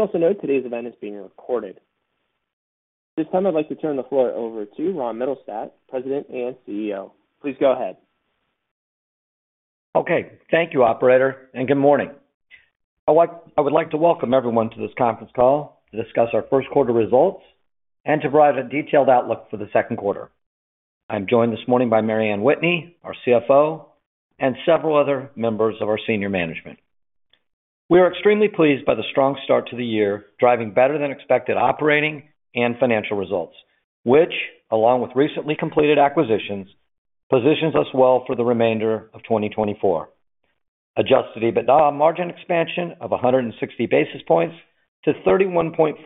Please also note today's event is being recorded. At this time, I'd like to turn the floor over to Ron Mittelstaedt, President and CEO. Please go ahead. Okay. Thank you, Operator, and good morning. I would like to welcome everyone to this conference call to discuss our first quarter results and to provide a detailed outlook for the second quarter. I'm joined this morning by Mary Anne Whitney, our CFO, and several other members of our senior management. We are extremely pleased by the strong start to the year driving better-than-expected operating and financial results, which, along with recently completed acquisitions, positions us well for the remainder of 2024. Adjusted EBITDA margin expansion of 160 basis points to 31.4%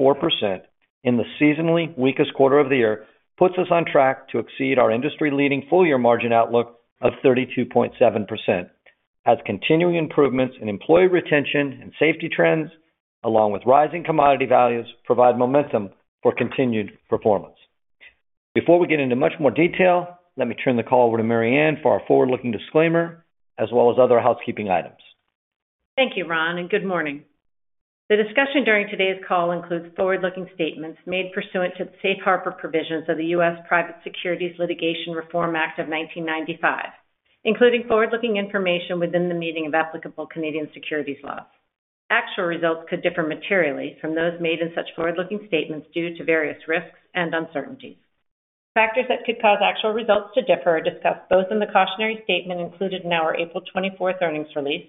in the seasonally weakest quarter of the year puts us on track to exceed our industry-leading full-year margin outlook of 32.7%, as continuing improvements in employee retention and safety trends, along with rising commodity values, provide momentum for continued performance. Before we get into much more detail, let me turn the call over to Mary Anne for our forward-looking disclaimer as well as other housekeeping items. Thank you, Ron, and good morning. The discussion during today's call includes forward-looking statements made pursuant to the safe harbor provisions of the U.S. Private Securities Litigation Reform Act of 1995, including forward-looking information within the meaning of applicable Canadian securities laws. Actual results could differ materially from those made in such forward-looking statements due to various risks and uncertainties. Factors that could cause actual results to differ are discussed both in the cautionary statement included in our April 24th earnings release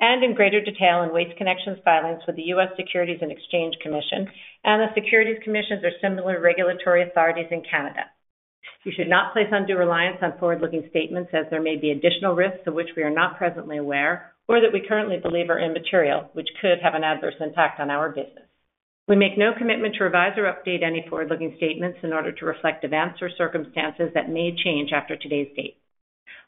and in greater detail in Waste Connections' filings with the U.S. Securities and Exchange Commission and the securities commissions or similar regulatory authorities in Canada. You should not place undue reliance on forward-looking statements as there may be additional risks of which we are not presently aware or that we currently believe are immaterial, which could have an adverse impact on our business. We make no commitment to revise or update any forward-looking statements in order to reflect events or circumstances that may change after today's date.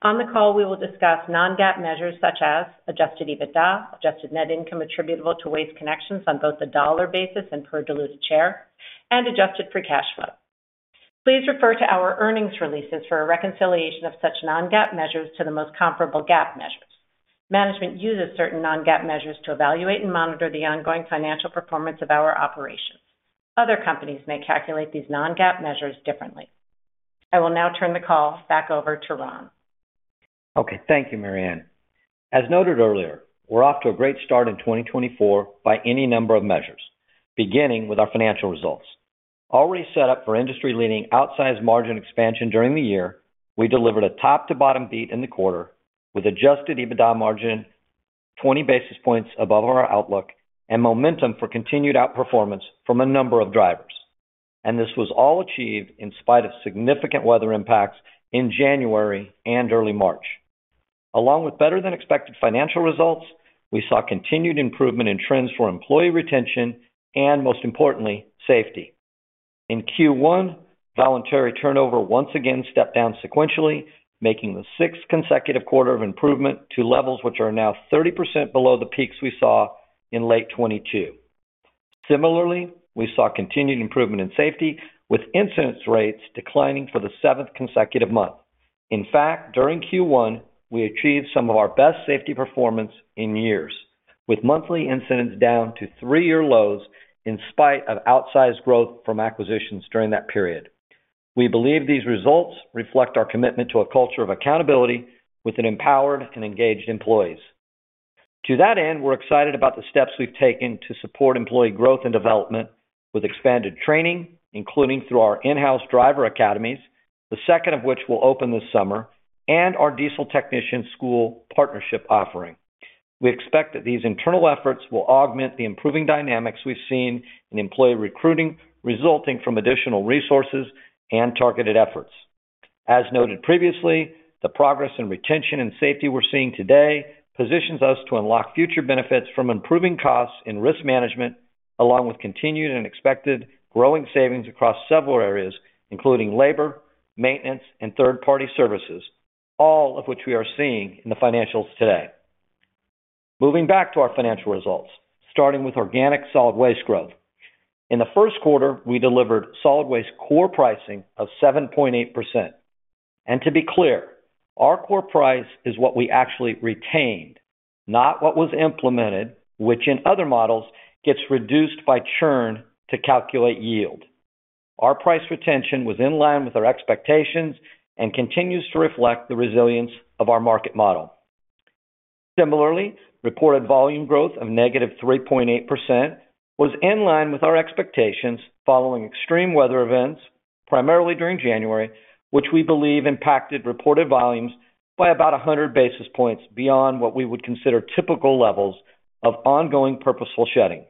On the call, we will discuss non-GAAP measures such as adjusted EBITDA, adjusted net income attributable to Waste Connections on both the dollar basis and per diluted share, and adjusted free cash flow. Please refer to our earnings releases for a reconciliation of such non-GAAP measures to the most comparable GAAP measures. Management uses certain non-GAAP measures to evaluate and monitor the ongoing financial performance of our operations. Other companies may calculate these non-GAAP measures differently. I will now turn the call back over to Ron. Okay. Thank you, Mary Anne. As noted earlier, we're off to a great start in 2024 by any number of measures, beginning with our financial results. Already set up for industry-leading outsized margin expansion during the year, we delivered a top-to-bottom beat in the quarter with Adjusted EBITDA margin 20 basis points above our outlook and momentum for continued outperformance from a number of drivers. And this was all achieved in spite of significant weather impacts in January and early March. Along with better-than-expected financial results, we saw continued improvement in trends for employee retention and, most importantly, safety. In Q1, voluntary turnover once again stepped down sequentially, making the sixth consecutive quarter of improvement to levels which are now 30% below the peaks we saw in late 2022. Similarly, we saw continued improvement in safety with incident rates declining for the seventh consecutive month. In fact, during Q1, we achieved some of our best safety performance in years, with monthly incidents down to three-year lows in spite of outsized growth from acquisitions during that period. We believe these results reflect our commitment to a culture of accountability with empowered and engaged employees. To that end, we're excited about the steps we've taken to support employee growth and development with expanded training, including through our in-house driver academies, the second of which will open this summer, and our diesel technician school partnership offering. We expect that these internal efforts will augment the improving dynamics we've seen in employee recruiting resulting from additional resources and targeted efforts. As noted previously, the progress in retention and safety we're seeing today positions us to unlock future benefits from improving costs in risk management, along with continued and expected growing savings across several areas, including labor, maintenance, and third-party services, all of which we are seeing in the financials today. Moving back to our financial results, starting with organic solid waste growth. In the first quarter, we delivered solid waste core pricing of 7.8%. To be clear, our core price is what we actually retained, not what was implemented, which in other models gets reduced by churn to calculate yield. Our price retention was in line with our expectations and continues to reflect the resilience of our market model. Similarly, reported volume growth of -3.8% was in line with our expectations following extreme weather events, primarily during January, which we believe impacted reported volumes by about 100 basis points beyond what we would consider typical levels of ongoing purposeful shedding.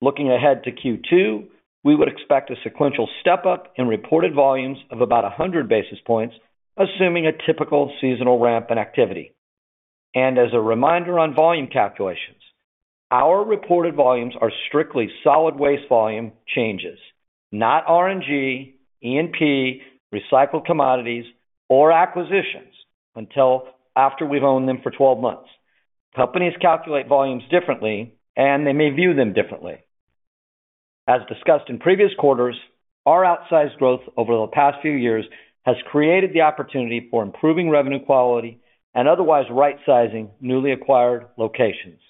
Looking ahead to Q2, we would expect a sequential step-up in reported volumes of about 100 basis points, assuming a typical seasonal ramp in activity. As a reminder on volume calculations, our reported volumes are strictly solid waste volume changes, not RNG, E&P, recycled commodities, or acquisitions until after we've owned them for 12 months. Companies calculate volumes differently, and they may view them differently. As discussed in previous quarters, our outsized growth over the past few years has created the opportunity for improving revenue quality and otherwise right-sizing newly acquired locations.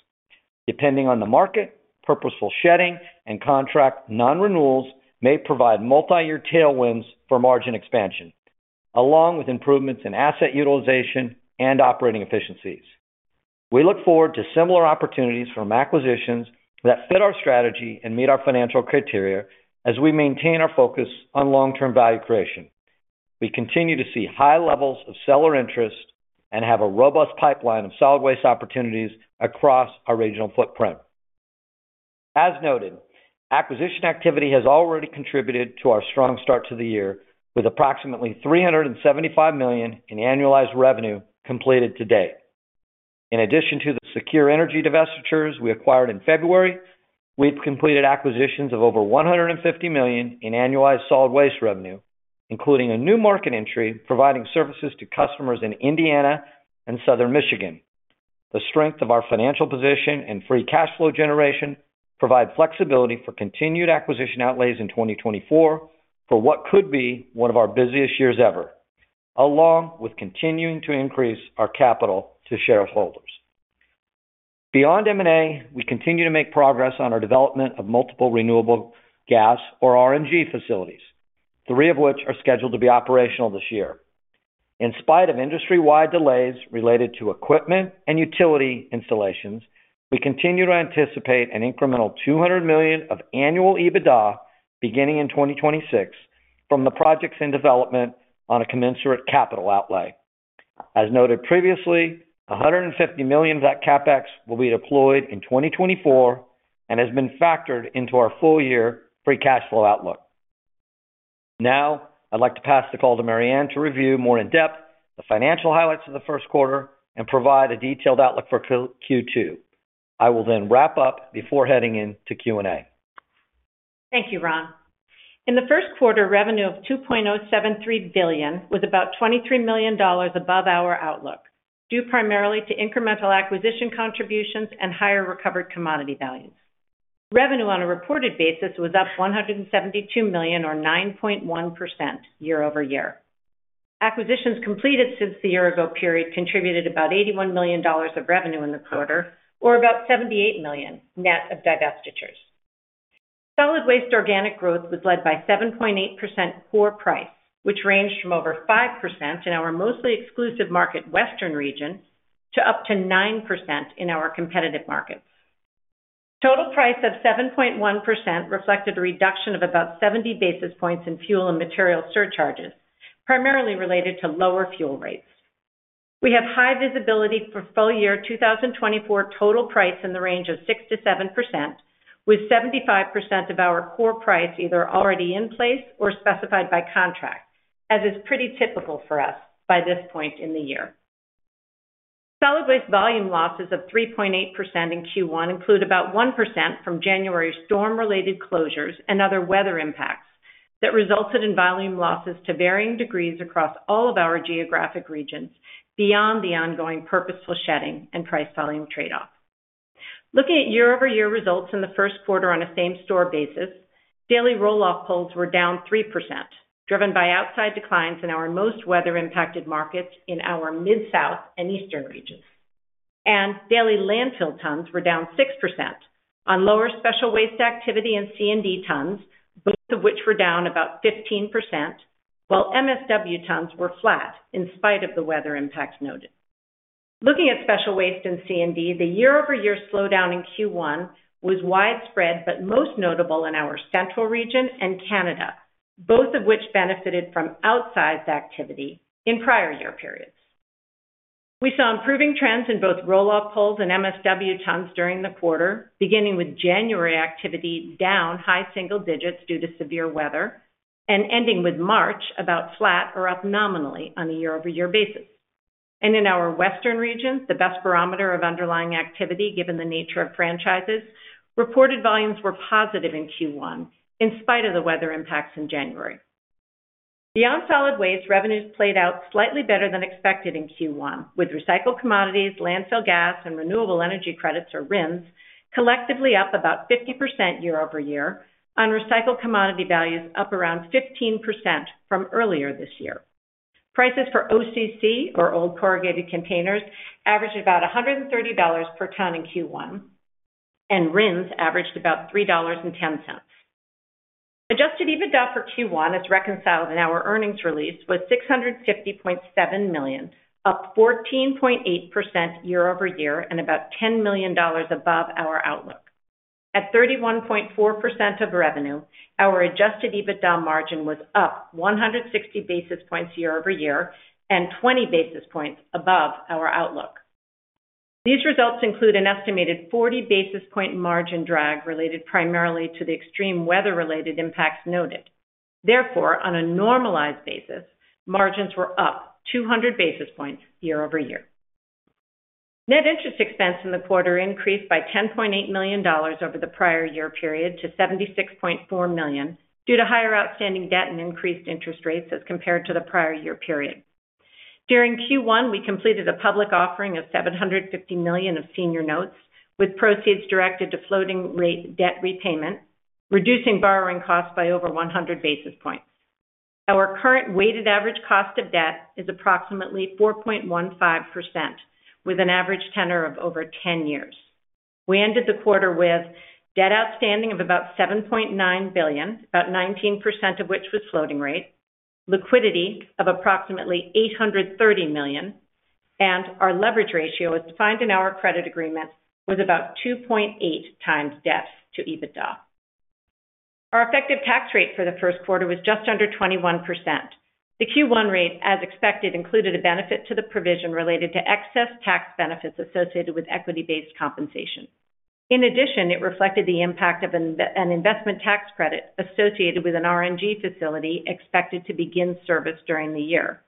Depending on the market, purposeful shedding, and contract non-renewals may provide multi-year tailwinds for margin expansion, along with improvements in asset utilization and operating efficiencies. We look forward to similar opportunities from acquisitions that fit our strategy and meet our financial criteria as we maintain our focus on long-term value creation. We continue to see high levels of seller interest and have a robust pipeline of solid waste opportunities across our regional footprint. As noted, acquisition activity has already contributed to our strong start to the year with approximately $375 million in annualized revenue completed today. In addition to the Secure Energy divestitures we acquired in February, we've completed acquisitions of over $150 million in annualized solid waste revenue, including a new market entry providing services to customers in Indiana and southern Michigan. The strength of our financial position and free cash flow generation provide flexibility for continued acquisition outlays in 2024 for what could be one of our busiest years ever, along with continuing to increase our capital to shareholders. Beyond M&A, we continue to make progress on our development of multiple renewable gas or RNG facilities, three of which are scheduled to be operational this year. In spite of industry-wide delays related to equipment and utility installations, we continue to anticipate an incremental $200 million of annual EBITDA beginning in 2026 from the projects in development on a commensurate capital outlay. As noted previously, $150 million of that CapEx will be deployed in 2024 and has been factored into our full-year free cash flow outlook. Now, I'd like to pass the call to Mary Anne to review more in-depth the financial highlights of the first quarter and provide a detailed outlook for Q2. I will then wrap up before heading into Q&A. Thank you, Ron. In the first quarter, revenue of $2.073 billion was about $23 million above our outlook, due primarily to incremental acquisition contributions and higher recovered commodity values. Revenue on a reported basis was up $172 million or 9.1% year-over-year. Acquisitions completed since the year-ago period contributed about $81 million of revenue in the quarter, or about $78 million net of divestitures. Solid waste organic growth was led by 7.8% core price, which ranged from over 5% in our mostly exclusive market Western region to up to 9% in our competitive markets. Total price of 7.1% reflected a reduction of about 70 basis points in fuel and material surcharges, primarily related to lower fuel rates. We have high visibility for full-year 2024 total price in the range of 6%-7%, with 75% of our core price either already in place or specified by contract, as is pretty typical for us by this point in the year. Solid waste volume losses of 3.8% in Q1 include about 1% from January's storm-related closures and other weather impacts that resulted in volume losses to varying degrees across all of our geographic regions beyond the ongoing purposeful shedding and price volume trade-off. Looking at year-over-year results in the first quarter on a same-store basis, daily roll-off pulls were down 3%, driven by outsized declines in our most weather-impacted markets in our Mid-South and Eastern regions. Daily landfill tons were down 6% on lower special waste activity and C&D tons, both of which were down about 15%, while MSW tons were flat in spite of the weather impacts noted. Looking at special waste and C&D, the year-over-year slowdown in Q1 was widespread but most notable in our Central region and Canada, both of which benefited from outsized activity in prior year periods. We saw improving trends in both roll-off pulls and MSW tons during the quarter, beginning with January activity down high single digits due to severe weather and ending with March about flat or up nominally on a year-over-year basis. In our Western region, the best barometer of underlying activity given the nature of franchises, reported volumes were positive in Q1 in spite of the weather impacts in January. Beyond solid waste, revenues played out slightly better than expected in Q1, with recycled commodities, landfill gas, and renewable energy credits, or RINs, collectively up about 50% year-over-year, on recycled commodity values up around 15% from earlier this year. Prices for OCC, or old corrugated containers, averaged about $130 per ton in Q1, and RINs averaged about $3.10. Adjusted EBITDA for Q1 is reconciled in our earnings release with $650.7 million, up 14.8% year-over-year and about $10 million above our outlook. At 31.4% of revenue, our adjusted EBITDA margin was up 160 basis points year-over-year and 20 basis points above our outlook. These results include an estimated 40-basis point margin drag related primarily to the extreme weather-related impacts noted. Therefore, on a normalized basis, margins were up 200 basis points year-over-year. Net interest expense in the quarter increased by $10.8 million over the prior year period to $76.4 million due to higher outstanding debt and increased interest rates as compared to the prior year period. During Q1, we completed a public offering of $750 million of senior notes with proceeds directed to floating-rate debt repayment, reducing borrowing costs by over 100 basis points. Our current weighted average cost of debt is approximately 4.15% with an average tenor of over 10 years. We ended the quarter with debt outstanding of about $7.9 billion, about 19% of which was floating rate, liquidity of approximately $830 million, and our leverage ratio, as defined in our credit agreement, was about 2.8x debt to EBITDA. Our effective tax rate for the first quarter was just under 21%. The Q1 rate, as expected, included a benefit to the provision related to excess tax benefits associated with equity-based compensation. In addition, it reflected the impact of an investment tax credit associated with an RNG facility expected to begin service during the year,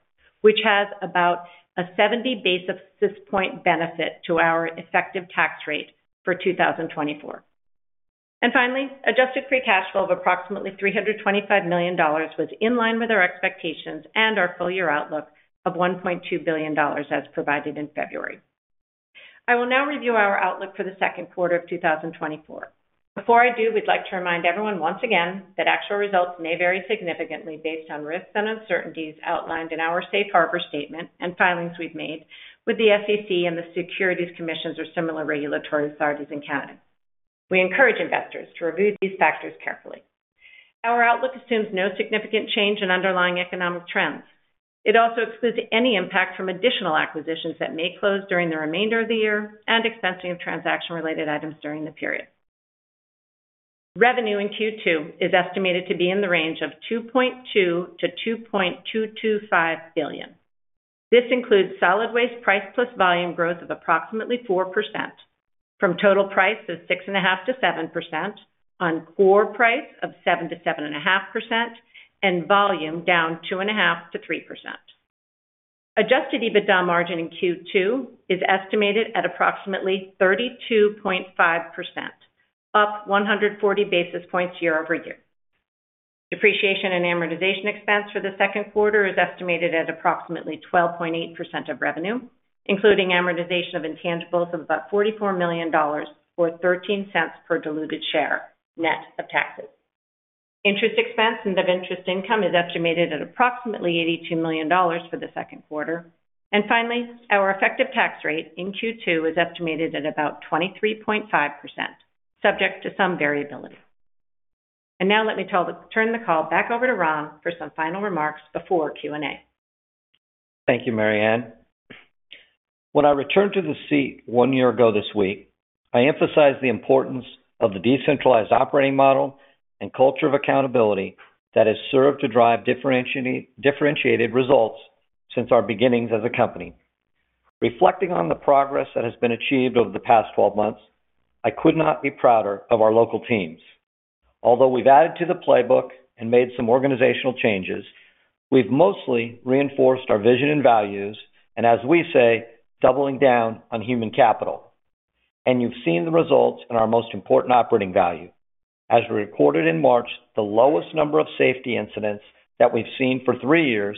which has about a 70-basis points benefit to our effective tax rate for 2024. And finally, adjusted free cash flow of approximately $325 million was in line with our expectations and our full-year outlook of $1.2 billion as provided in February. I will now review our outlook for the second quarter of 2024. Before I do, we'd like to remind everyone once again that actual results may vary significantly based on risks and uncertainties outlined in our safe harbor statement and filings we've made with the SEC and the Securities Commissions or similar regulatory authorities in Canada. We encourage investors to review these factors carefully. Our outlook assumes no significant change in underlying economic trends. It also excludes any impact from additional acquisitions that may close during the remainder of the year and expensing of transaction-related items during the period. Revenue in Q2 is estimated to be in the range of $2.2 billion-$2.225 billion. This includes solid waste price-plus-volume growth of approximately 4% from total price of 6.5%-7% on core price of 7%-7.5% and volume down 2.5%-3%. Adjusted EBITDA margin in Q2 is estimated at approximately 32.5%, up 140 basis points year-over-year. Depreciation and amortization expense for the second quarter is estimated at approximately 12.8% of revenue, including amortization of intangibles of about $44 million or $0.13 per diluted share net of taxes. Interest expense net of interest income is estimated at approximately $82 million for the second quarter. Finally, our effective tax rate in Q2 is estimated at about 23.5%, subject to some variability. Now let me turn the call back over to Ron for some final remarks before Q&A. Thank you, Mary Anne. When I returned to the seat one year ago this week, I emphasized the importance of the decentralized operating model and culture of accountability that has served to drive differentiated results since our beginnings as a company. Reflecting on the progress that has been achieved over the past 12 months, I could not be prouder of our local teams. Although we've added to the playbook and made some organizational changes, we've mostly reinforced our vision and values and, as we say, doubling down on human capital. You've seen the results in our most important operating value. As we recorded in March, the lowest number of safety incidents that we've seen for three years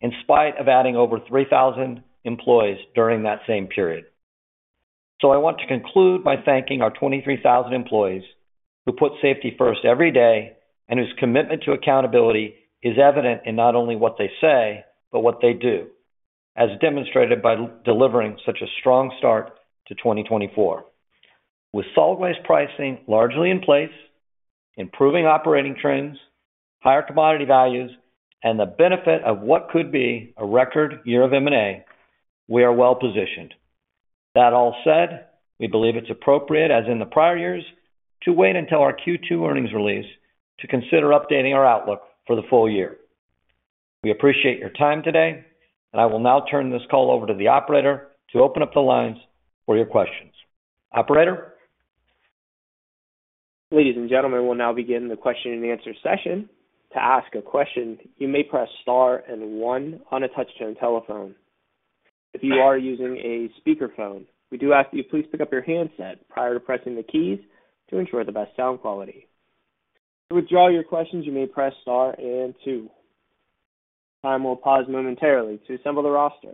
in spite of adding over 3,000 employees during that same period. I want to conclude by thanking our 23,000 employees who put safety first every day and whose commitment to accountability is evident in not only what they say but what they do, as demonstrated by delivering such a strong start to 2024. With solid waste pricing largely in place, improving operating trends, higher commodity values, and the benefit of what could be a record year of M&A, we are well positioned. That all said, we believe it's appropriate, as in the prior years, to wait until our Q2 earnings release to consider updating our outlook for the full year. We appreciate your time today, and I will now turn this call over to the operator to open up the lines for your questions. Operator? Ladies and gentlemen, we'll now begin the question-and-answer session. To ask a question, you may press star and one on a touch-tone telephone. If you are using a speakerphone, we do ask that you please pick up your handset prior to pressing the keys to ensure the best sound quality. To withdraw your questions, you may press star and two. Time will pause momentarily to assemble the roster.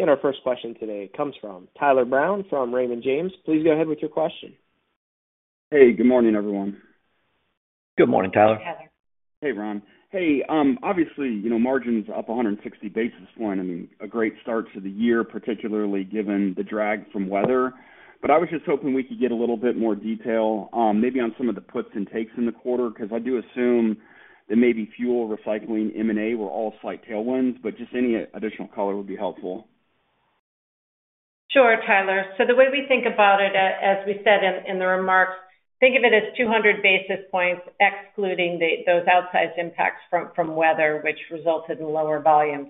Our first question today comes from Tyler Brown from Raymond James. Please go ahead with your question. Hey. Good morning, everyone. Good morning, Tyler. Hey, Ron. Hey, obviously, margin's up 160 basis points. I mean, a great start to the year, particularly given the drag from weather. But I was just hoping we could get a little bit more detail, maybe on some of the puts and takes in the quarter because I do assume that maybe fuel, recycling, M&A were all slight tailwinds, but just any additional color would be helpful. Sure, Tyler. So the way we think about it, as we said in the remarks, think of it as 200 basis points excluding those outsized impacts from weather, which resulted in lower volumes.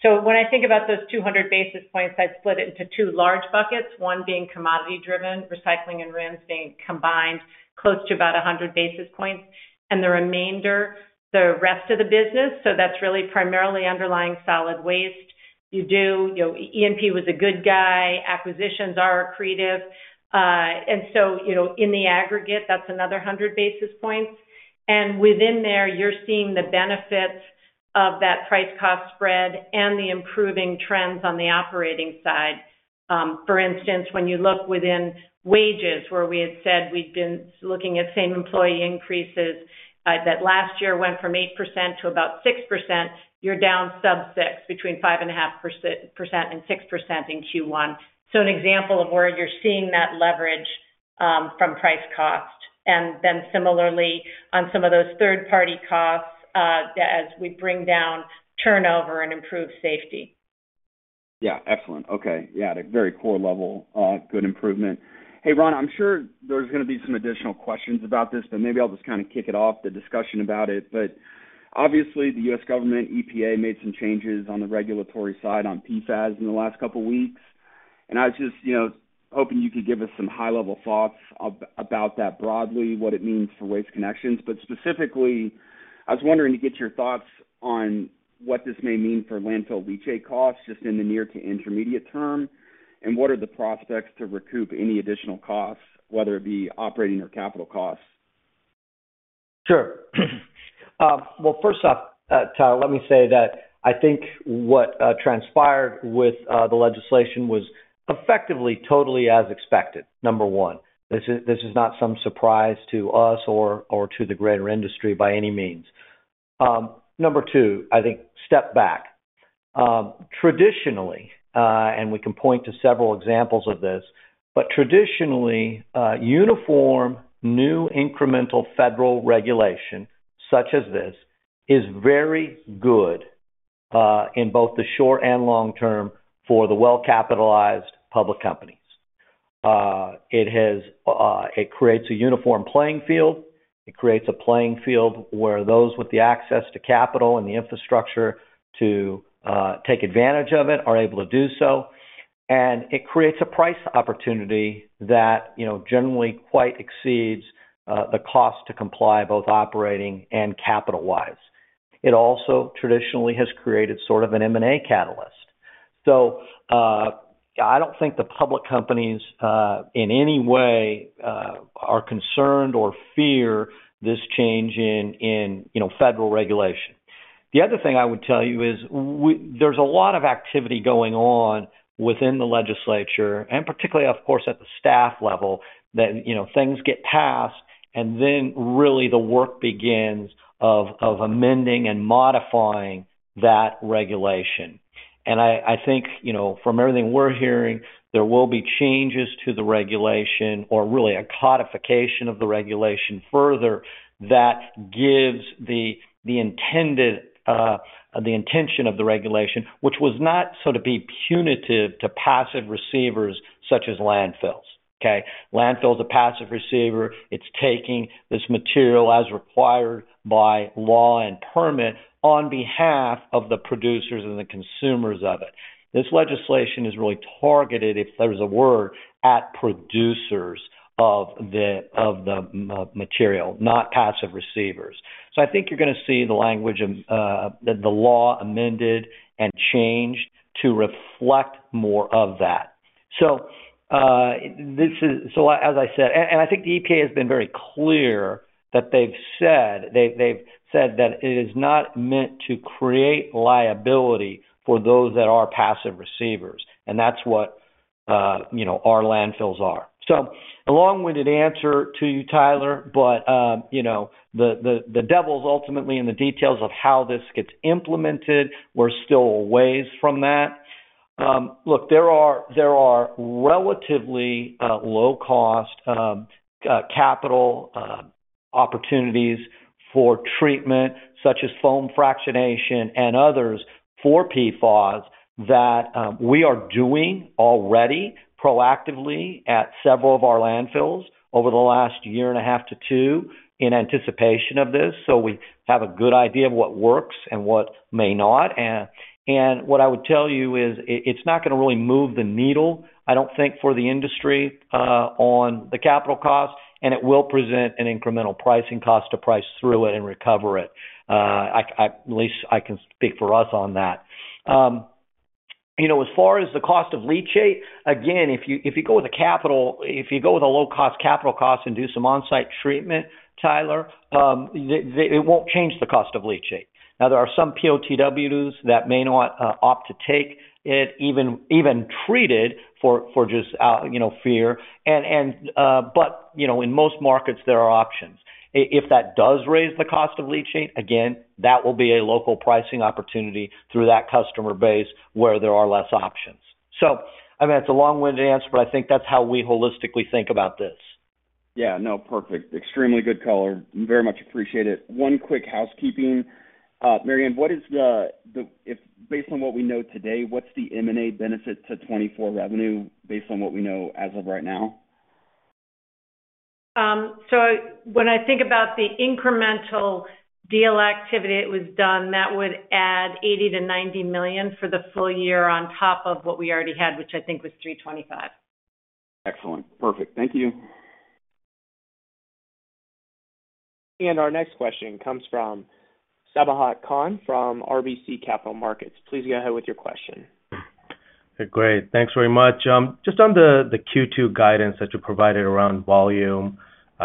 So when I think about those 200 basis points, I'd split it into two large buckets, one being commodity-driven, recycling and RINs being combined, close to about 100 basis points, and the remainder, the rest of the business. So that's really primarily underlying solid waste. E&P was a good guy. Acquisitions are accretive. And so in the aggregate, that's another 100 basis points. And within there, you're seeing the benefits of that price-cost spread and the improving trends on the operating side. For instance, when you look within wages, where we had said we'd been looking at same-employee increases that last year went from 8% to about 6%, you're down sub-6%, between 5.5% and 6% in Q1. An example of where you're seeing that leverage from price cost. Similarly, on some of those third-party costs, as we bring down turnover and improve safety. Yeah. Excellent. Okay. Yeah, at a very core level, good improvement. Hey, Ron, I'm sure there's going to be some additional questions about this, but maybe I'll just kind of kick it off, the discussion about it. Obviously, the U.S. government, EPA, made some changes on the regulatory side on PFAS in the last couple of weeks. I was just hoping you could give us some high-level thoughts about that broadly, what it means for Waste Connections. Specifically, I was wondering to get your thoughts on what this may mean for landfill leachate costs just in the near to intermediate term, and what are the prospects to recoup any additional costs, whether it be operating or capital costs. Sure. Well, first off, Tyler, let me say that I think what transpired with the legislation was effectively totally as expected, number one. This is not some surprise to us or to the greater industry by any means. Number two, I think, step back. Traditionally, and we can point to several examples of this, but traditionally, uniform new incremental federal regulation such as this is very good in both the short and long term for the well-capitalized public companies. It creates a uniform playing field. It creates a playing field where those with the access to capital and the infrastructure to take advantage of it are able to do so. And it creates a price opportunity that generally quite exceeds the cost to comply, both operating and capital-wise. It also traditionally has created sort of an M&A catalyst. So I don't think the public companies in any way are concerned or fear this change in federal regulation. The other thing I would tell you is there's a lot of activity going on within the legislature, and particularly, of course, at the staff level, that things get passed and then really the work begins of amending and modifying that regulation. And I think from everything we're hearing, there will be changes to the regulation or really a codification of the regulation further that gives the intention of the regulation, which was not so to be punitive to passive receivers such as landfills. Okay? Landfill's a passive receiver. It's taking this material as required by law and permit on behalf of the producers and the consumers of it. This legislation is really targeted, if there's a word, at producers of the material, not passive receivers. So I think you're going to see the language of the law amended and changed to reflect more of that. So as I said, and I think the EPA has been very clear that they've said that it is not meant to create liability for those that are passive receivers, and that's what our landfills are. So a long-winded answer to you, Tyler, but the devil's ultimately in the details of how this gets implemented. We're still a ways from that. Look, there are relatively low-cost capital opportunities for treatment such as foam fractionation and others for PFAS that we are doing already proactively at several of our landfills over the last year and a half to two in anticipation of this. So we have a good idea of what works and what may not. What I would tell you is it's not going to really move the needle, I don't think, for the industry on the capital cost, and it will present an incremental pricing cost to price through it and recover it. At least I can speak for us on that. As far as the cost of leachate, again, if you go with a low-cost capital cost and do some on-site treatment, Tyler, it won't change the cost of leachate. Now, there are some POTWs that may not opt to take it, even treated for just fear. But in most markets, there are options. If that does raise the cost of leachate, again, that will be a local pricing opportunity through that customer base where there are less options. So I mean, it's a long-winded answer, but I think that's how we holistically think about this. Yeah. No, perfect. Extremely good color. Very much appreciate it. One quick housekeeping. Mary Anne, based on what we know today, what's the M&A benefit to 2024 revenue based on what we know as of right now? So when I think about the incremental deal activity that was done, that would add $80 million-$90 million for the full year on top of what we already had, which I think was $325 million. Excellent. Perfect. Thank you. Our next question comes from Sabahat Khan from RBC Capital Markets. Please go ahead with your question. Great. Thanks very much. Just on the Q2 guidance that you provided around volume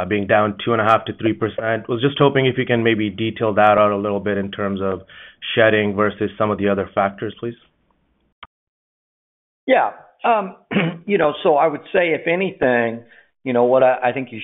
being down 2.5%-3%, I was just hoping if you can maybe detail that out a little bit in terms of shedding versus some of the other factors, please. Yeah. So I would say, if anything, what I think you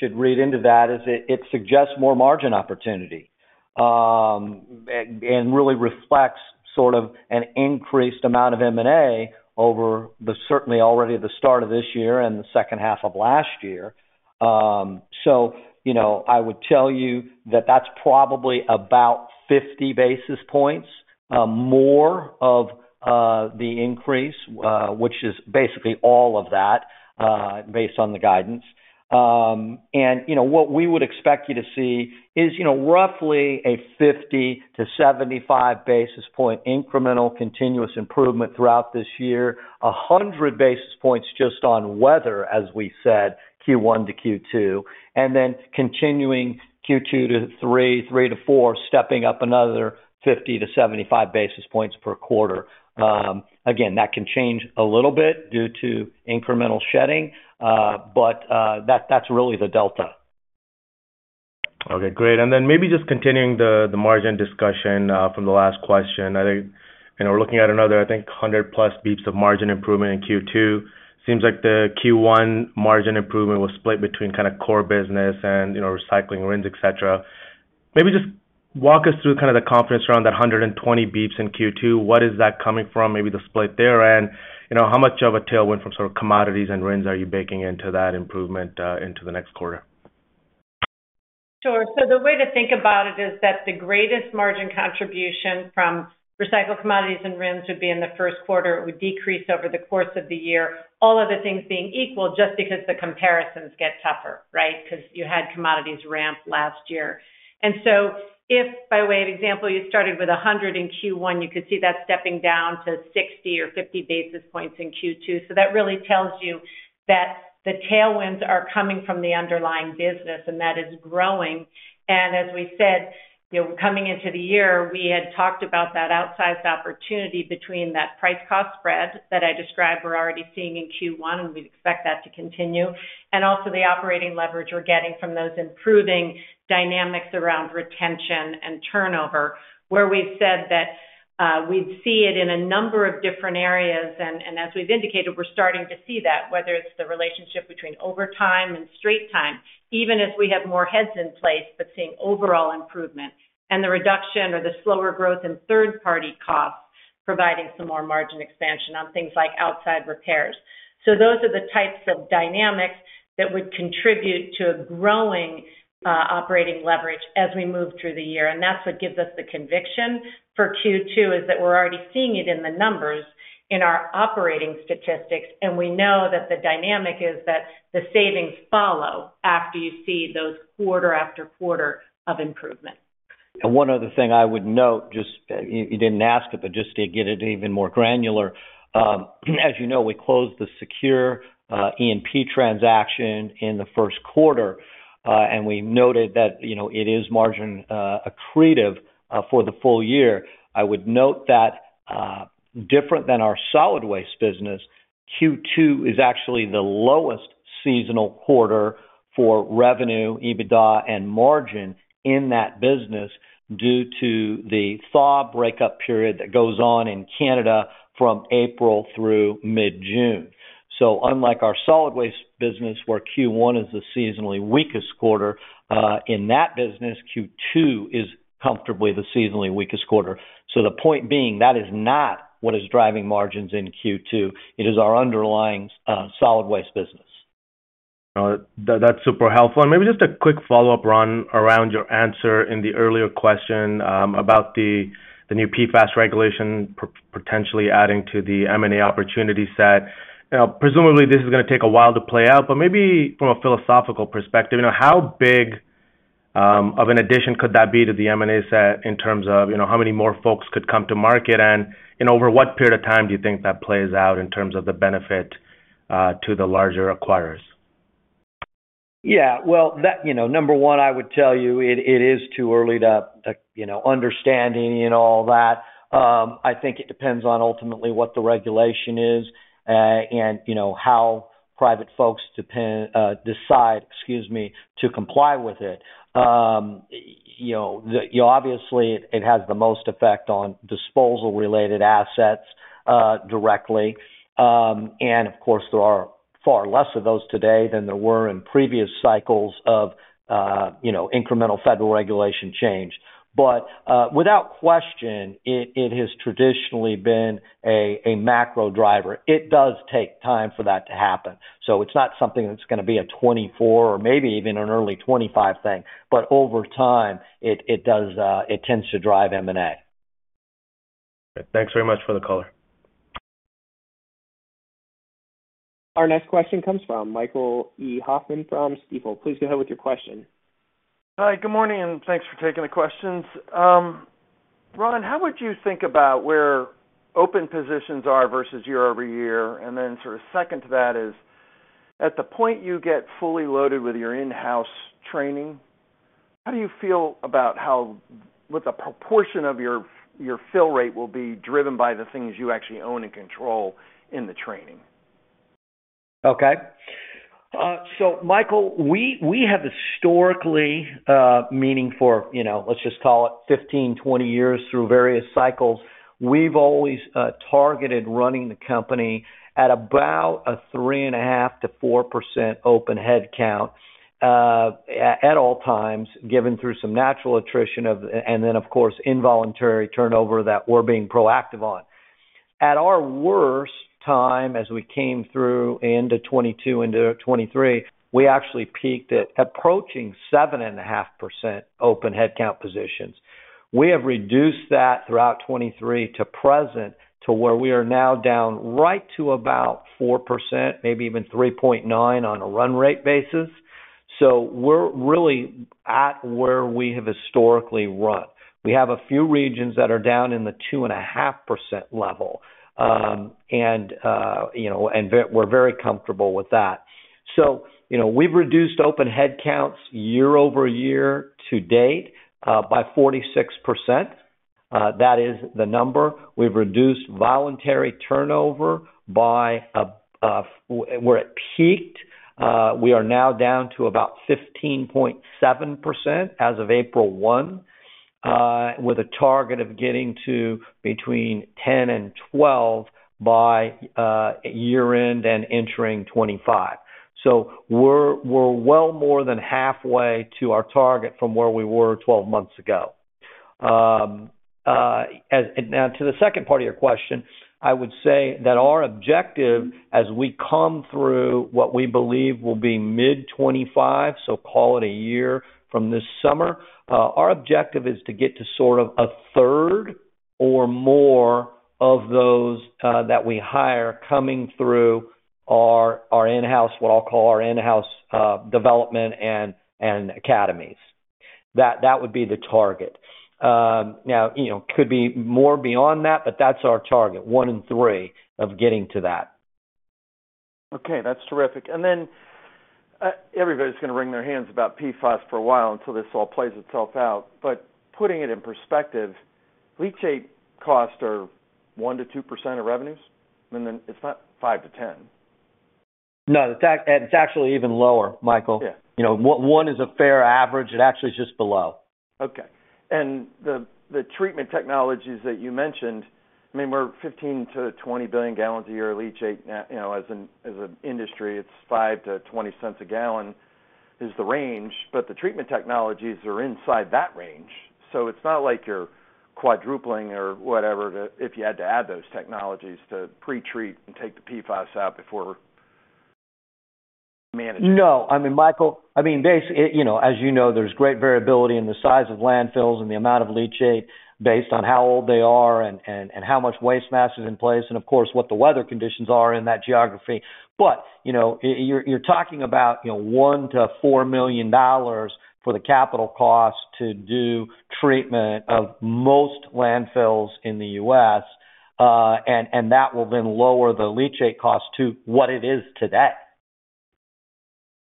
should read into that is it suggests more margin opportunity and really reflects sort of an increased amount of M&A over certainly already the start of this year and the second half of last year. So I would tell you that that's probably about 50 basis points more of the increase, which is basically all of that based on the guidance. And what we would expect you to see is roughly a 50 basis point-75 basis point incremental continuous improvement throughout this year, 100 basis points just on weather, as we said, Q1 to Q2, and then continuing Q2 to Q3, Q3 to Q4, stepping up another 50 basis points-75 basis points per quarter. Again, that can change a little bit due to incremental shedding, but that's really the delta. Okay. Great. And then maybe just continuing the margin discussion from the last question. And we're looking at another, I think, 100+ basis points of margin improvement in Q2. Seems like the Q1 margin improvement was split between kind of core business and recycling, RINs, etc. Maybe just walk us through kind of the confidence around that 120 basis points in Q2. What is that coming from? Maybe the split there. And how much of a tailwind from sort of commodities and RINs are you baking into that improvement into the next quarter? Sure. So the way to think about it is that the greatest margin contribution from recycled commodities and RINs would be in the first quarter. It would decrease over the course of the year, all other things being equal, just because the comparisons get tougher, right, because you had commodities ramp last year. And so if, by way of example, you started with 100 basis points in Q1, you could see that stepping down to 60 basis points or 50 basis points in Q2. So that really tells you that the tailwinds are coming from the underlying business, and that is growing. And as we said, coming into the year, we had talked about that outsized opportunity between that price-cost spread that I described we're already seeing in Q1, and we'd expect that to continue, and also the operating leverage we're getting from those improving dynamics around retention and turnover, where we've said that we'd see it in a number of different areas. And as we've indicated, we're starting to see that, whether it's the relationship between overtime and straight time, even as we have more heads in place but seeing overall improvement and the reduction or the slower growth in third-party costs providing some more margin expansion on things like outside repairs. So those are the types of dynamics that would contribute to a growing operating leverage as we move through the year. That's what gives us the conviction for Q2 is that we're already seeing it in the numbers in our operating statistics, and we know that the dynamic is that the savings follow after you see those quarter after quarter of improvement. One other thing I would note, just you didn't ask it, but just to get it even more granular, as you know, we closed the Secure E&P transaction in the first quarter, and we noted that it is margin accretive for the full year. I would note that, different than our solid waste business, Q2 is actually the lowest seasonal quarter for revenue, EBITDA, and margin in that business due to the thaw breakup period that goes on in Canada from April through mid-June. So unlike our solid waste business, where Q1 is the seasonally weakest quarter, in that business, Q2 is comfortably the seasonally weakest quarter. So the point being, that is not what is driving margins in Q2. It is our underlying solid waste business. That's super helpful. Maybe just a quick follow-up, Ron, around your answer in the earlier question about the new PFAS regulation potentially adding to the M&A opportunity set. Presumably, this is going to take a while to play out, but maybe from a philosophical perspective, how big of an addition could that be to the M&A set in terms of how many more folks could come to market, and over what period of time do you think that plays out in terms of the benefit to the larger acquirers? Yeah. Well, number one, I would tell you it is too early to understand and all that. I think it depends on, ultimately, what the regulation is and how private folks decide, excuse me, to comply with it. Obviously, it has the most effect on disposal-related assets directly. And of course, there are far less of those today than there were in previous cycles of incremental federal regulation change. But without question, it has traditionally been a macro driver. It does take time for that to happen. So it's not something that's going to be a 2024 or maybe even an early 2025 thing, but over time, it tends to drive M&A. Thanks very much for the color. Our next question comes from Michael E. Hoffman from Stifel. Please go ahead with your question. Hi. Good morning. Thanks for taking the questions. Ron, how would you think about where open positions are versus year-over-year? Then sort of second to that is, at the point you get fully loaded with your in-house training, how do you feel about what the proportion of your fill rate will be driven by the things you actually own and control in the training? Okay. So Michael, we have historically meaning for, let's just call it, 15, 20 years through various cycles. We've always targeted running the company at about a 3.5%-4% open headcount at all times, given through some natural attrition and then, of course, involuntary turnover that we're being proactive on. At our worst time, as we came through into 2022 into 2023, we actually peaked at approaching 7.5% open headcount positions. We have reduced that throughout 2023 to present to where we are now down right to about 4%, maybe even 3.9% on a run-rate basis. So we're really at where we have historically run. We have a few regions that are down in the 2.5% level, and we're very comfortable with that. So we've reduced open headcounts year-over-year to date by 46%. That is the number. We've reduced voluntary turnover by. We're at peak. We are now down to about 15.7% as of April 1, with a target of getting to between 10%-12% by year-end and entering 2025. So we're well more than halfway to our target from where we were 12 months ago. Now, to the second part of your question, I would say that our objective, as we come through what we believe will be mid-2025, so call it a year from this summer, our objective is to get to sort of a third or more of those that we hire coming through our in-house, what I'll call our in-house development and academies. That would be the target. Now, it could be more beyond that, but that's our target, one in three, of getting to that. Okay. That's terrific. And then everybody's going to wring their hands about PFAS for a while until this all plays itself out. But putting it in perspective, leachate costs are 1%-2% of revenues? I mean, it's not 5%-10%. No. It's actually even lower, Michael. 1% is a fair average. It actually is just below. Okay. The treatment technologies that you mentioned, I mean, we're 15 billion gal.-20 billion gal. a year of leachate. As an industry, it's $0.05-$0.20 a gallon is the range. But the treatment technologies are inside that range. So it's not like you're quadrupling or whatever if you had to add those technologies to pretreat and take the PFAS out before managing. No. I mean, Michael, I mean, as you know, there's great variability in the size of landfills and the amount of leachate based on how old they are and how much waste mass is in place and, of course, what the weather conditions are in that geography. But you're talking about $1 million-$4 million for the capital cost to do treatment of most landfills in the U.S., and that will then lower the leachate cost to what it is today.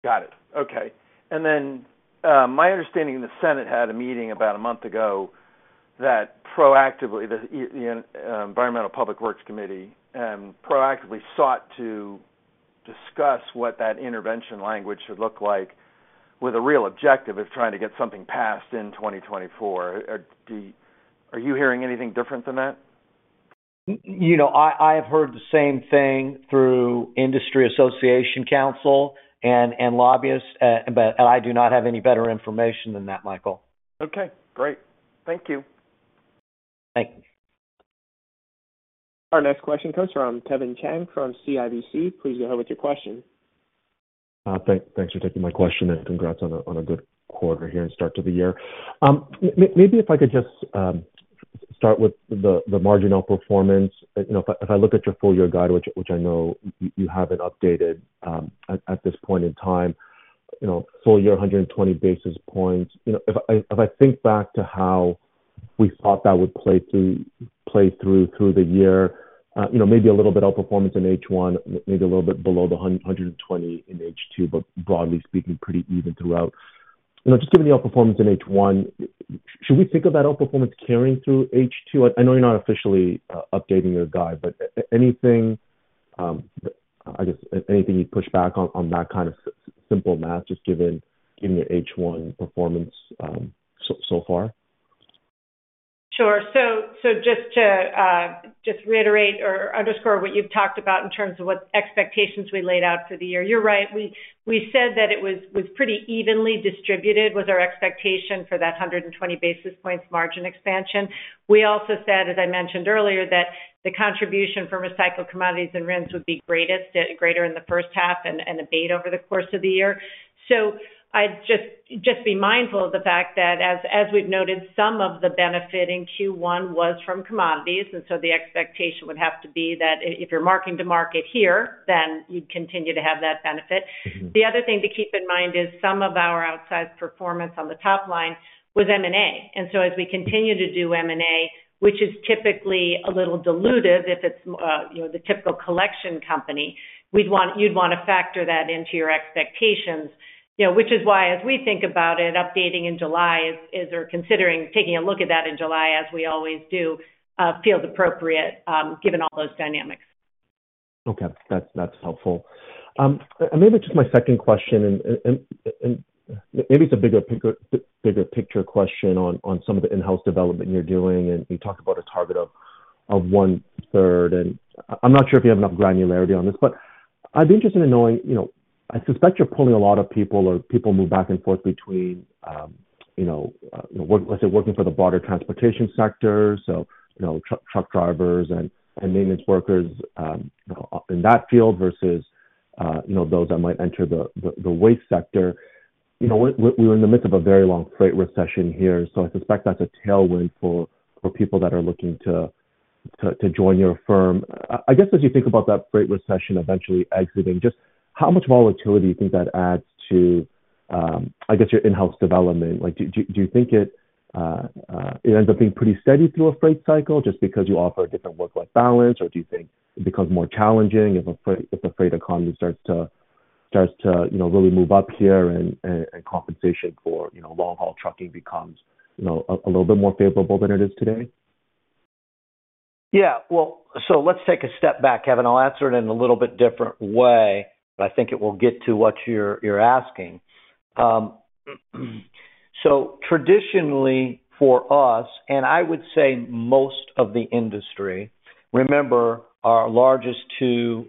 Got it. Okay. And then my understanding, the Senate had a meeting about a month ago that proactively, the Environment and Public Works Committee, proactively sought to discuss what that intervention language should look like with a real objective of trying to get something passed in 2024. Are you hearing anything different than that? I have heard the same thing through Industry Association Council and lobbyists, but I do not have any better information than that, Michael. Okay. Great. Thank you. Thank you. Our next question comes from Kevin Chiang from CIBC. Please go ahead with your question. Thanks for taking my question, and congrats on a good quarter here and start to the year. Maybe if I could just start with the marginal performance. If I look at your full-year guide, which I know you haven't updated at this point in time, full year, 120 basis points. If I think back to how we thought that would play through the year, maybe a little bit outperformance in H1, maybe a little bit below the 120 in H2, but broadly speaking, pretty even throughout. Just given the outperformance in H1, should we think of that outperformance carrying through H2? I know you're not officially updating your guide, but I guess anything you'd push back on that kind of simple math, just given your H1 performance so far? Sure. So just to reiterate or underscore what you've talked about in terms of what expectations we laid out for the year, you're right. We said that it was pretty evenly distributed was our expectation for that 120 basis points margin expansion. We also said, as I mentioned earlier, that the contribution from recycled commodities and RINs would be greater in the first half and abate over the course of the year. So just be mindful of the fact that, as we've noted, some of the benefit in Q1 was from commodities. And so the expectation would have to be that if you're marking to market here, then you'd continue to have that benefit. The other thing to keep in mind is some of our outsized performance on the top line was M&A. And so as we continue to do M&A, which is typically a little diluted if it's the typical collection company, you'd want to factor that into your expectations, which is why, as we think about it, updating in July or considering taking a look at that in July, as we always do, feels appropriate given all those dynamics. Okay. That's helpful. Maybe just my second question, and maybe it's a bigger picture question on some of the in-house development you're doing. You talked about a target of one-third. I'm not sure if you have enough granularity on this, but I'd be interested in knowing. I suspect you're pulling a lot of people, or people move back and forth between, let's say, working for the broader transportation sector, so truck drivers and maintenance workers in that field versus those that might enter the waste sector. We're in the midst of a very long freight recession here, so I suspect that's a tailwind for people that are looking to join your firm. I guess as you think about that freight recession eventually exiting, just how much volatility do you think that adds to, I guess, your in-house development? Do you think it ends up being pretty steady through a freight cycle just because you offer a different work-life balance, or do you think it becomes more challenging if the freight economy starts to really move up here and compensation for long-haul trucking becomes a little bit more favorable than it is today? Yeah. Well, so let's take a step back, Kevin. I'll answer it in a little bit different way, but I think it will get to what you're asking. So traditionally, for us, and I would say most of the industry, remember, our largest two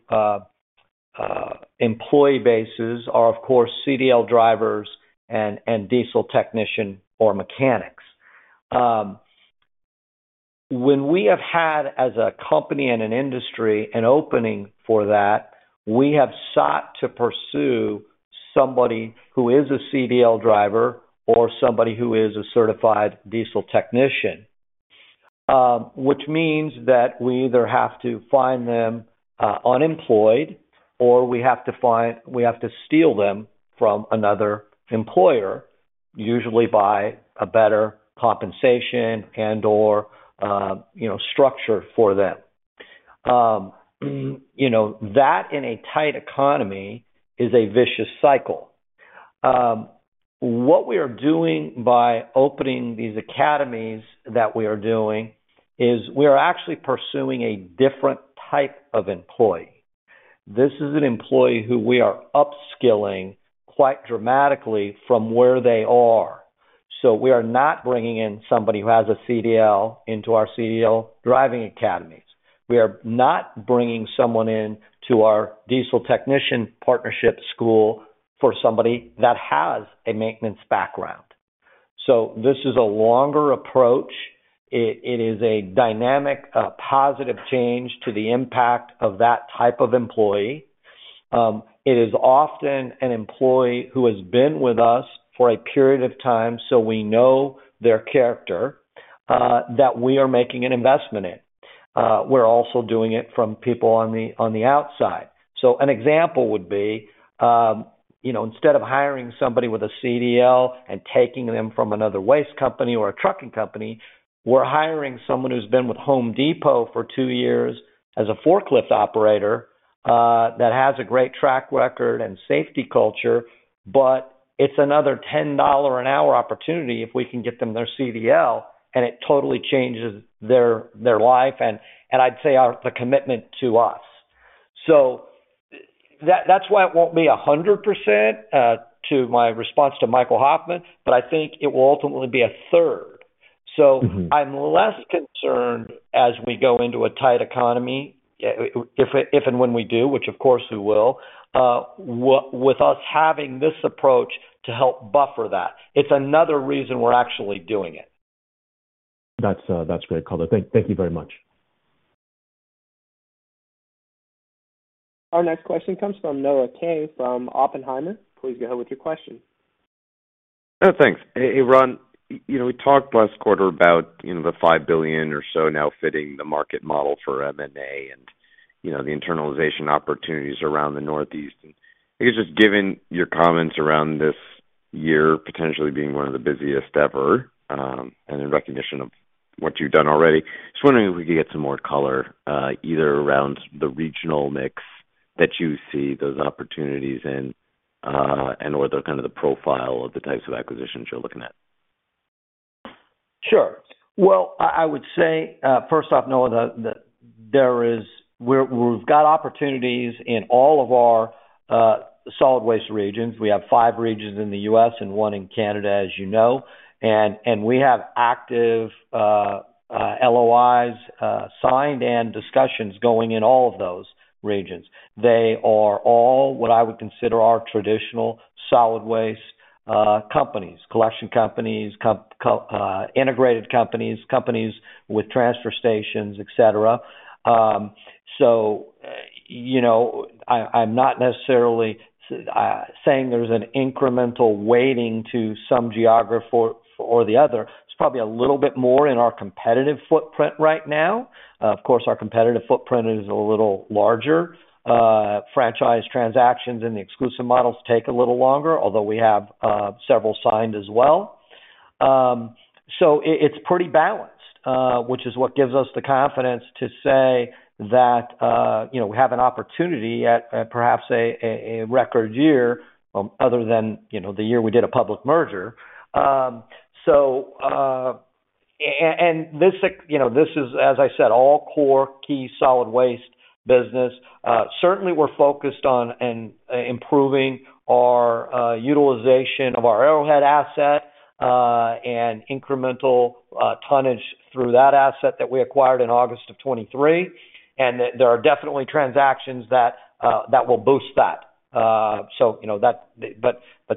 employee bases are, of course, CDL drivers and diesel technician or mechanics. When we have had, as a company and an industry, an opening for that, we have sought to pursue somebody who is a CDL driver or somebody who is a certified diesel technician, which means that we either have to find them unemployed or we have to steal them from another employer, usually by a better compensation and/or structure for them. That, in a tight economy, is a vicious cycle. What we are doing by opening these academies that we are doing is we are actually pursuing a different type of employee. This is an employee who we are upskilling quite dramatically from where they are. We are not bringing in somebody who has a CDL into our CDL driving academies. We are not bringing someone into our diesel technician partnership school for somebody that has a maintenance background. This is a longer approach. It is a dynamic, positive change to the impact of that type of employee. It is often an employee who has been with us for a period of time, so we know their character, that we are making an investment in. We're also doing it from people on the outside. So an example would be, instead of hiring somebody with a CDL and taking them from another waste company or a trucking company, we're hiring someone who's been with Home Depot for two years as a forklift operator that has a great track record and safety culture, but it's another $10 an hour opportunity if we can get them their CDL, and it totally changes their life and, I'd say, the commitment to us. So that's why it won't be 100% to my response to Michael E. Hoffman, but I think it will ultimately be a third. So I'm less concerned as we go into a tight economy, if and when we do, which, of course, we will, with us having this approach to help buffer that. It's another reason we're actually doing it. That's great color. Thank you very much. Our next question comes from Noah Kaye from Oppenheimer. Please go ahead with your question. Oh, thanks. Hey, Ron, we talked last quarter about the $5 billion or so now fitting the market model for M&A and the internalization opportunities around the Northeast. I guess just given your comments around this year potentially being one of the busiest ever and in recognition of what you've done already, just wondering if we could get some more color either around the regional mix that you see those opportunities in and/or kind of the profile of the types of acquisitions you're looking at. Sure. Well, I would say, first off, Noah, that we've got opportunities in all of our solid waste regions. We have five regions in the U.S. and one in Canada, as you know, and we have active LOIs signed and discussions going in all of those regions. They are all what I would consider our traditional solid waste companies, collection companies, integrated companies, companies with transfer stations, etc. So I'm not necessarily saying there's an incremental weighting to some geography or the other. It's probably a little bit more in our competitive footprint right now. Of course, our competitive footprint is a little larger. Franchise transactions and the exclusive models take a little longer, although we have several signed as well. So it's pretty balanced, which is what gives us the confidence to say that we have an opportunity at perhaps a record year other than the year we did a public merger. And this is, as I said, all core, key, solid waste business. Certainly, we're focused on improving our utilization of our Arrowhead asset and incremental tonnage through that asset that we acquired in August of 2023. And there are definitely transactions that will boost that. But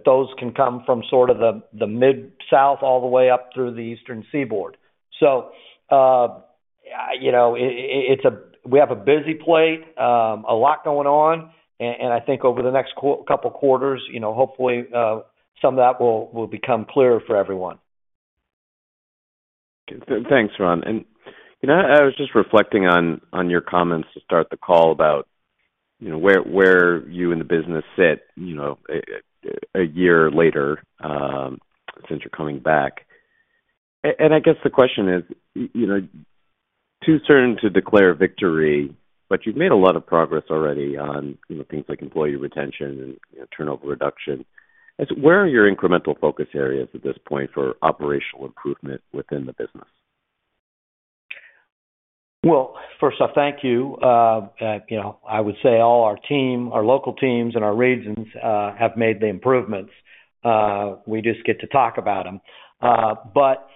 those can come from sort of the Mid-South all the way up through the Eastern Seaboard. So we have a busy plate, a lot going on, and I think over the next couple of quarters, hopefully, some of that will become clearer for everyone. Thanks, Ron. I was just reflecting on your comments to start the call about where you and the business sit a year later since you're coming back. I guess the question is, is it too soon to declare victory, but you've made a lot of progress already on things like employee retention and turnover reduction. Where are your incremental focus areas at this point for operational improvement within the business? Well, first off, thank you. I would say all our team, our local teams, and our regions have made the improvements. We just get to talk about them. But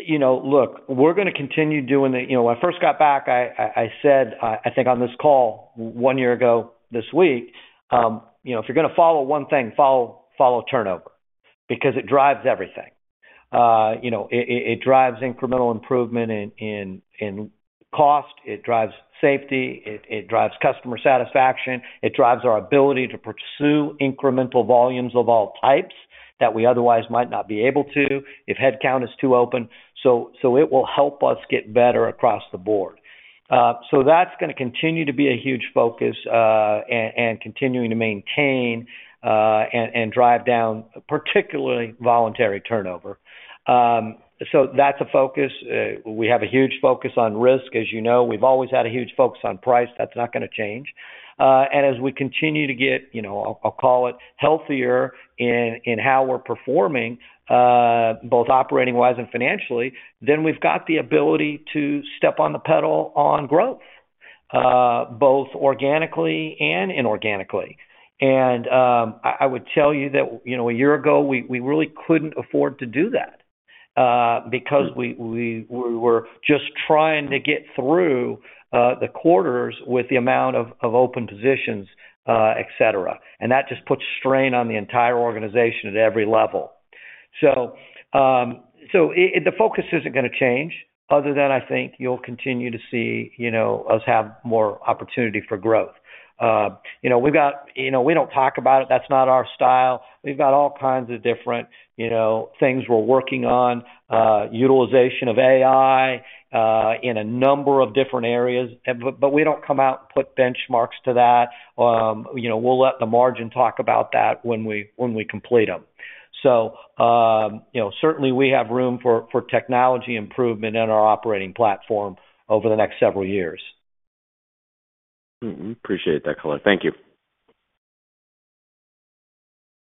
look, we're going to continue doing them. When I first got back, I said, I think on this call one year ago this week, "If you're going to follow one thing, follow turnover," because it drives everything. It drives incremental improvement in cost. It drives safety. It drives customer satisfaction. It drives our ability to pursue incremental volumes of all types that we otherwise might not be able to if headcount is too open. So it will help us get better across the board. So that's going to continue to be a huge focus and continuing to maintain and drive down particularly voluntary turnover. So that's a focus. We have a huge focus on risk. As you know, we've always had a huge focus on price. That's not going to change. As we continue to get, I'll call it, healthier in how we're performing, both operating-wise and financially, then we've got the ability to step on the pedal on growth, both organically and inorganically. I would tell you that a year ago, we really couldn't afford to do that because we were just trying to get through the quarters with the amount of open positions, etc. That just puts strain on the entire organization at every level. The focus isn't going to change other than, I think, you'll continue to see us have more opportunity for growth. We've got – we don't talk about it. That's not our style. We've got all kinds of different things we're working on, utilization of AI in a number of different areas, but we don't come out and put benchmarks to that. We'll let the margin talk about that when we complete them. Certainly, we have room for technology improvement in our operating platform over the next several years. Appreciate that color. Thank you.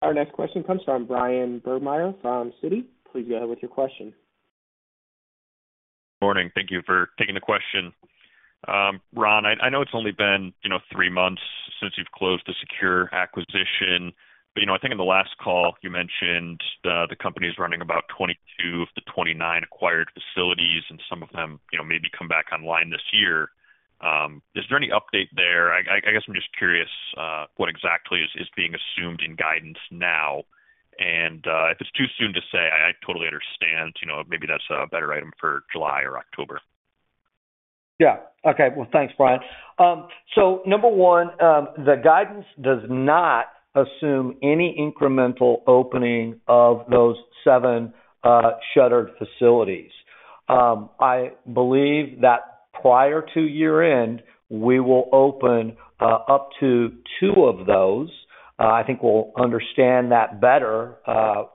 Our next question comes from Bryan Burgmeier from Citi. Please go ahead with your question. Morning. Thank you for taking the question. Ron, I know it's only been three months since you've closed the Secure acquisition, but I think in the last call, you mentioned the company is running about 22 of the 29 acquired facilities, and some of them may come back online this year. Is there any update there? I guess I'm just curious what exactly is being assumed in guidance now. If it's too soon to say, I totally understand. Maybe that's a better item for July or October. Yeah. Okay. Well, thanks, Bryan. So number one, the guidance does not assume any incremental opening of those seven shuttered facilities. I believe that prior to year-end, we will open up to two of those. I think we'll understand that better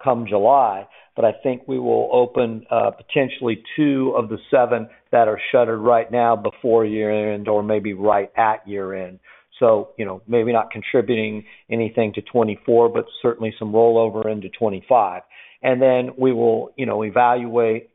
come July, but I think we will open potentially two of the seven that are shuttered right now before year-end or maybe right at year-end. So maybe not contributing anything to 2024, but certainly some rollover into 2025. And then we will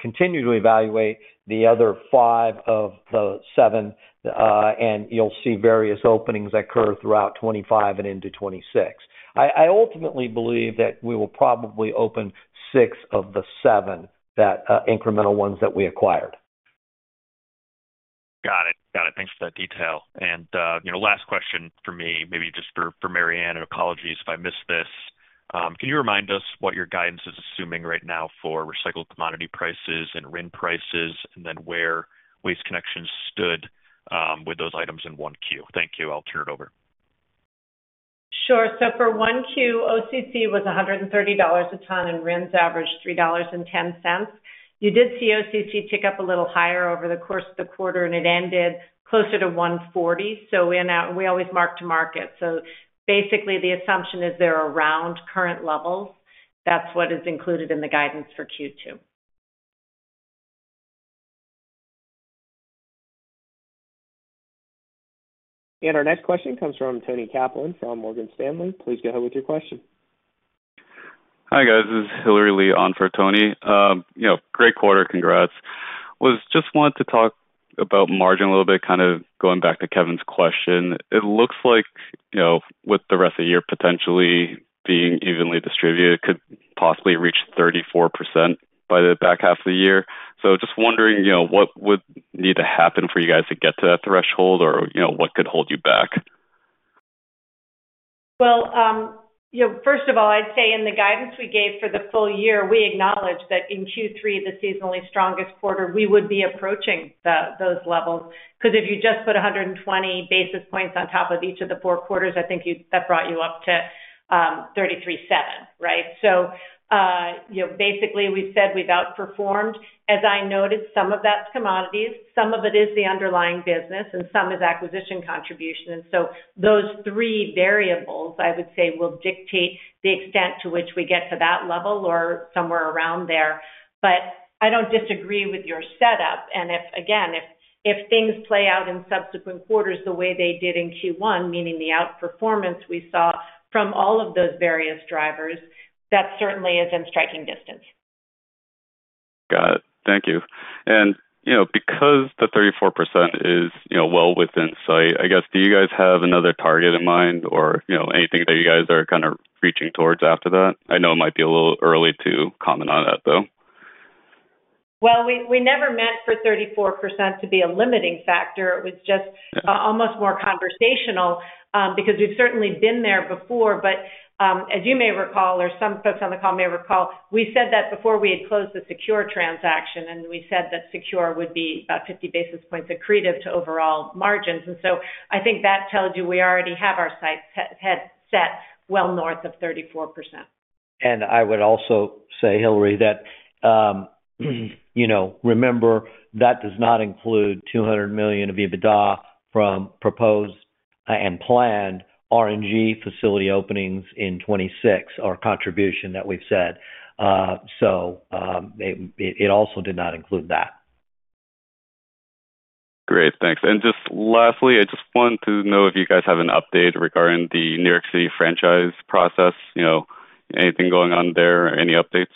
continue to evaluate the other five of the seven, and you'll see various openings occur throughout 2025 and into 2026. I ultimately believe that we will probably open six of the seven, that incremental ones that we acquired. Got it. Got it. Thanks for that detail. And last question for me, maybe just for Mary Anne, and apologies if I missed this. Can you remind us what your guidance is assuming right now for recycled commodity prices and RIN prices and then where Waste Connections stood with those items in 1Q? Thank you. I'll turn it over. Sure. So for 1Q, OCC was $130 a ton, and RINs average $3.10. You did see OCC tick up a little higher over the course of the quarter, and it ended closer to $140. So we always mark to market. So basically, the assumption is they're around current levels. That's what is included in the guidance for Q2. Our next question comes from Toni Kaplan from Morgan Stanley. Please go ahead with your question. Hi, guys. This is Hilary Lee on for Toni. Great quarter. Congrats. I just wanted to talk about margin a little bit, kind of going back to Kevin's question. It looks like, with the rest of the year potentially being evenly distributed, it could possibly reach 34% by the back half of the year. So just wondering, what would need to happen for you guys to get to that threshold, or what could hold you back? Well, first of all, I'd say in the guidance we gave for the full year, we acknowledged that in Q3, the seasonally strongest quarter, we would be approaching those levels. Because if you just put 120 basis points on top of each of the four quarters, I think that brought you up to 33.7%, right? So basically, we said we've outperformed. As I noted, some of that's commodities. Some of it is the underlying business, and some is acquisition contribution. And so those three variables, I would say, will dictate the extent to which we get to that level or somewhere around there. But I don't disagree with your setup. And again, if things play out in subsequent quarters the way they did in Q1, meaning the outperformance we saw from all of those various drivers, that certainly is in striking distance. Got it. Thank you. And because the 34% is well within sight, I guess, do you guys have another target in mind or anything that you guys are kind of reaching towards after that? I know it might be a little early to comment on that, though. Well, we never meant for 34% to be a limiting factor. It was just almost more conversational because we've certainly been there before. But as you may recall, or some folks on the call may recall, we said that before we had closed the Secure transaction, and we said that Secure would be about 50 basis points accretive to overall margins. And so I think that tells you we already have our sights set well north of 34%. I would also say, Hilary, that remember, that does not include $200 million of EBITDA from proposed and planned RNG facility openings in 2026 or contribution that we've said. It also did not include that. Great. Thanks. Just lastly, I just want to know if you guys have an update regarding the New York City franchise process, anything going on there, any updates?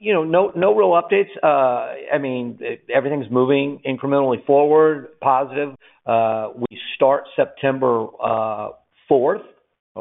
No real updates. I mean, everything's moving incrementally forward, positive. We start September 4th, or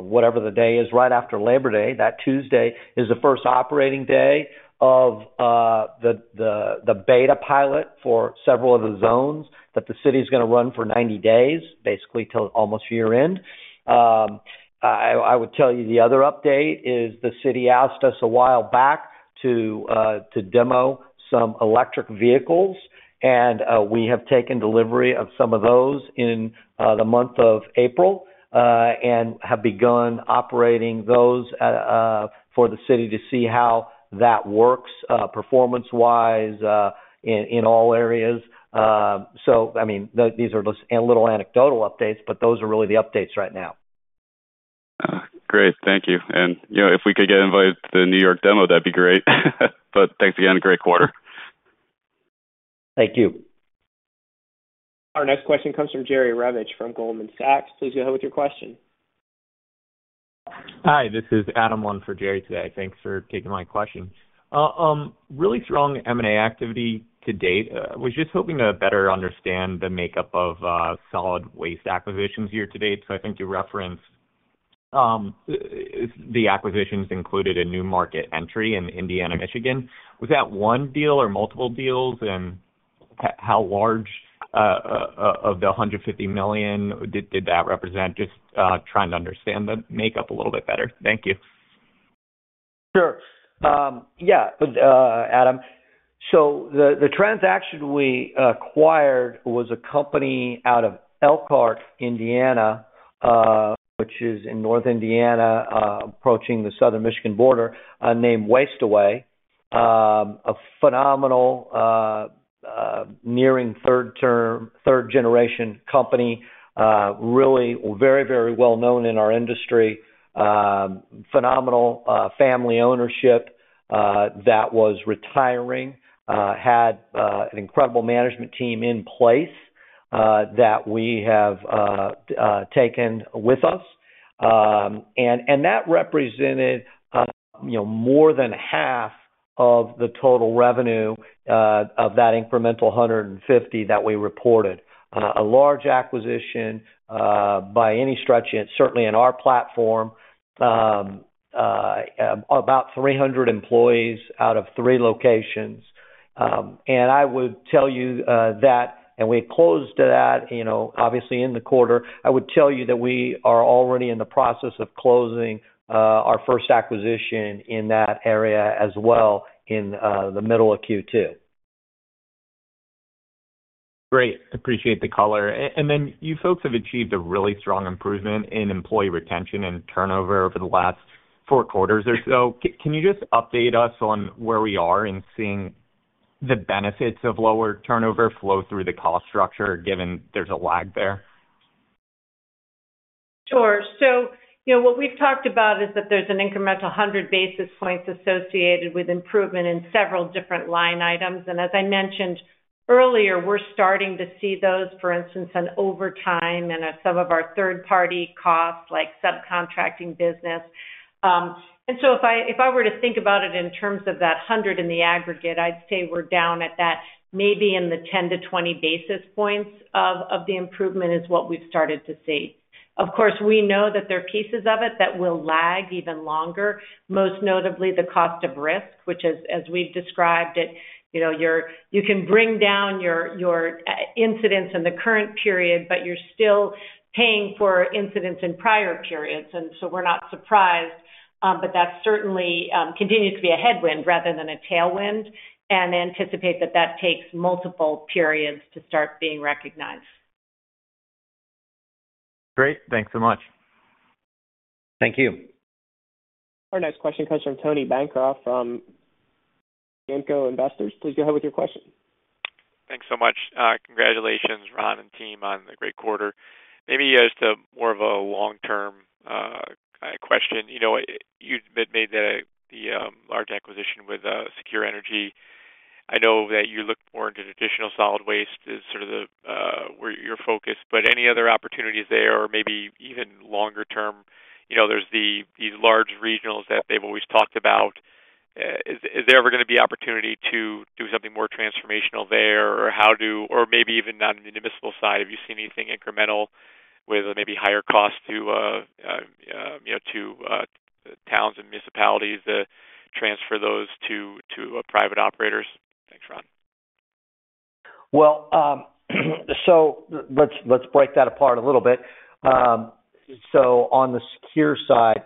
whatever the day is, right after Labor Day. That Tuesday is the first operating day of the beta pilot for several of the zones that the city is going to run for 90 days, basically till almost year-end. I would tell you the other update is the city asked us a while back to demo some electric vehicles, and we have taken delivery of some of those in the month of April and have begun operating those for the city to see how that works performance-wise in all areas. So I mean, these are just little anecdotal updates, but those are really the updates right now. Great. Thank you. And if we could get invited to the New York demo, that'd be great. But thanks again. Great quarter. Thank you. Our next question comes from Jerry Revich from Goldman Sachs. Please go ahead with your question. Hi. This is Adam on for Jerry today. Thanks for taking my question. Really strong M&A activity to date. I was just hoping to better understand the makeup of solid waste acquisitions year to date. So I think you referenced the acquisitions included a new market entry in Indiana/Michigan. Was that one deal or multiple deals, and how large of the $150 million did that represent? Just trying to understand the makeup a little bit better. Thank you. Sure. Yeah, Adam. So the transaction we acquired was a company out of Elkhart, Indiana, which is in northern Indiana, approaching the southern Michigan border, named Waste-Away, a phenomenal nearing third-generation company, really very, very well-known in our industry, phenomenal family ownership that was retiring, had an incredible management team in place that we have taken with us. And that represented more than 1/2 of the total revenue of that incremental $150 that we reported, a large acquisition by any stretch, certainly in our platform, about 300 employees out of three locations. And I would tell you that and we closed to that, obviously, in the quarter. I would tell you that we are already in the process of closing our first acquisition in that area as well in the middle of Q2. Great. Appreciate the color. Then you folks have achieved a really strong improvement in employee retention and turnover over the last four quarters or so. Can you just update us on where we are in seeing the benefits of lower turnover flow through the cost structure, given there's a lag there? Sure. So what we've talked about is that there's an incremental 100 basis points associated with improvement in several different line items. And as I mentioned earlier, we're starting to see those, for instance, on overtime and some of our third-party costs like subcontracting business. And so if I were to think about it in terms of that 100 in the aggregate, I'd say we're down at that maybe in the 10 basis points-20 basis points of the improvement is what we've started to see. Of course, we know that there are pieces of it that will lag even longer, most notably the cost of risk, which, as we've described it, you can bring down your incidents in the current period, but you're still paying for incidents in prior periods. And so we're not surprised, but that certainly continues to be a headwind rather than a tailwind. I anticipate that that takes multiple periods to start being recognized. Great. Thanks so much. Thank you. Our next question comes from Tony Bancroft from GAMCO Investors. Please go ahead with your question. Thanks so much. Congratulations, Ron and team, on the great quarter. Maybe as to more of a long-term question, you just made that the large acquisition with Secure Energy. I know that you look more into additional solid waste as sort of where your focus, but any other opportunities there or maybe even longer-term? There's these large regionals that they've always talked about. Is there ever going to be opportunity to do something more transformational there, or maybe even on the municipal side, have you seen anything incremental with maybe higher costs to towns and municipalities to transfer those to private operators? Thanks, Ron. Well, so let's break that apart a little bit. So on the Secure side,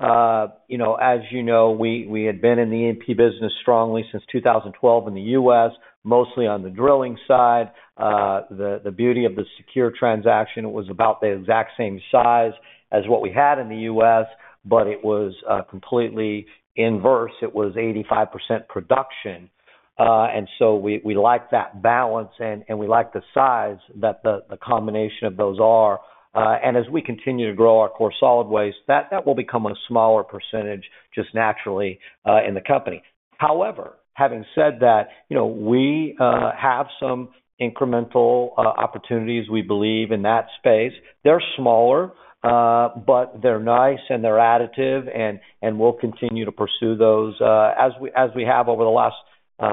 as you know, we had been in the E&P business strongly since 2012 in the U.S., mostly on the drilling side. The beauty of the Secure transaction, it was about the exact same size as what we had in the U.S., but it was completely inverse. It was 85% production. And so we like that balance, and we like the size that the combination of those are. And as we continue to grow our core solid waste, that will become a smaller percentage just naturally in the company. However, having said that, we have some incremental opportunities, we believe, in that space. They're smaller, but they're nice, and they're additive, and we'll continue to pursue those as we have over the last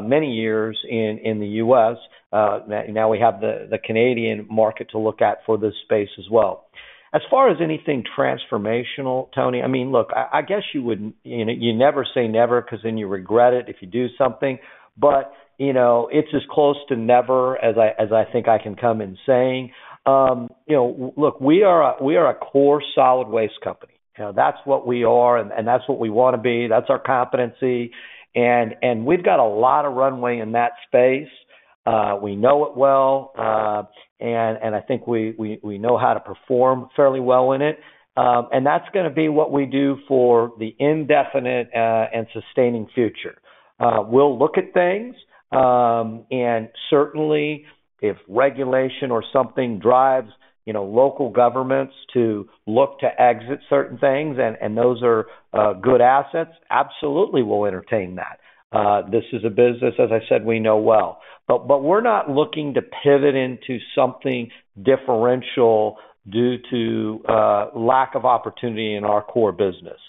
many years in the U.S. Now we have the Canadian market to look at for this space as well. As far as anything transformational, Tony, I mean, look, I guess you never say never because then you regret it if you do something, but it's as close to never as I think I can come in saying. Look, we are a core solid waste company. That's what we are, and that's what we want to be. That's our competency. And we've got a lot of runway in that space. We know it well, and I think we know how to perform fairly well in it. And that's going to be what we do for the indefinite and sustaining future. We'll look at things. And certainly, if regulation or something drives local governments to look to exit certain things, and those are good assets, absolutely we'll entertain that. This is a business, as I said, we know well. But we're not looking to pivot into something differential due to lack of opportunity in our core business.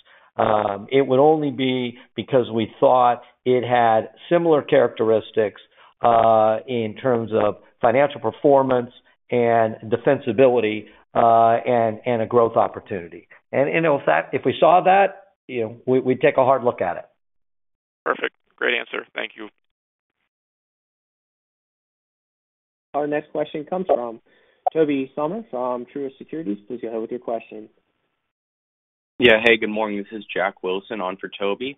It would only be because we thought it had similar characteristics in terms of financial performance and defensibility and a growth opportunity. And if we saw that, we'd take a hard look at it. Perfect. Great answer. Thank you. Our next question comes from Tobey Sommer from Truist Securities. Please go ahead with your question. Yeah. Hey, good morning. This is Jack Wilson on for Tobey.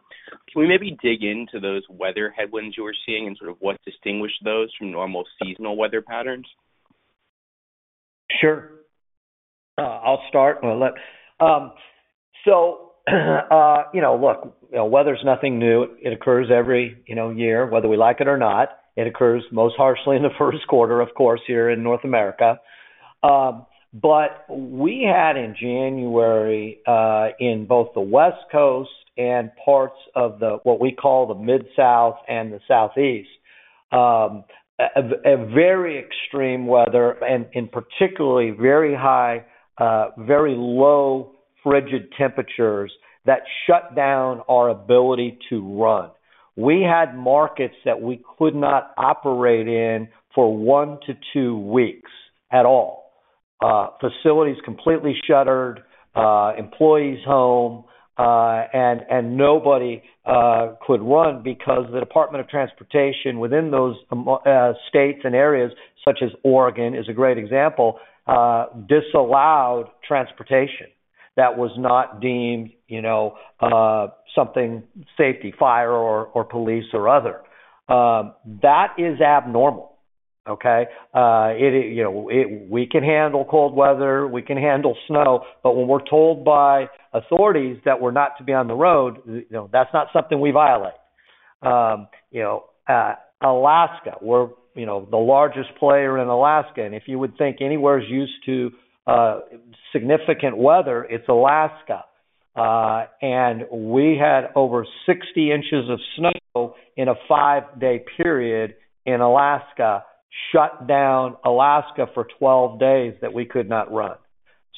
Can we maybe dig into those weather headwinds you were seeing and sort of what distinguished those from normal seasonal weather patterns? Sure. I'll start. Well, look, weather's nothing new. It occurs every year, whether we like it or not. It occurs most harshly in the first quarter, of course, here in North America. But we had in January, in both the West Coast and parts of what we call the Mid-South and the Southeast, a very extreme weather and particularly very high, very low frigid temperatures that shut down our ability to run. We had markets that we could not operate in for one to two weeks at all. Facilities completely shuttered, employees home, and nobody could run because the Department of Transportation within those states and areas, such as Oregon is a great example, disallowed transportation that was not deemed something safety, fire or police or other. That is abnormal, okay? We can handle cold weather. We can handle snow. But when we're told by authorities that we're not to be on the road, that's not something we violate. Alaska, we're the largest player in Alaska. And if you would think anywhere's used to significant weather, it's Alaska. And we had over 60 in of snow in a five-day period in Alaska, shut down Alaska for 12 days that we could not run.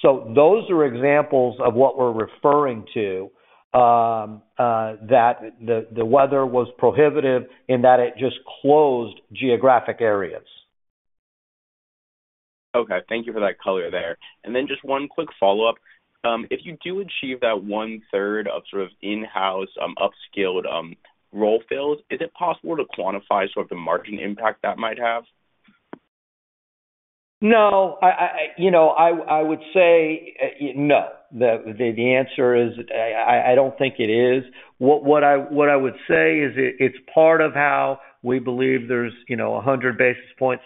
So those are examples of what we're referring to, that the weather was prohibitive in that it just closed geographic areas. Okay. Thank you for that color there. Then just one quick follow-up. If you do achieve that one-third of sort of in-house, upskilled role fills, is it possible to quantify sort of the margin impact that might have? No. I would say no. The answer is, I don't think it is. What I would say is it's part of how we believe there's 100+ basis points,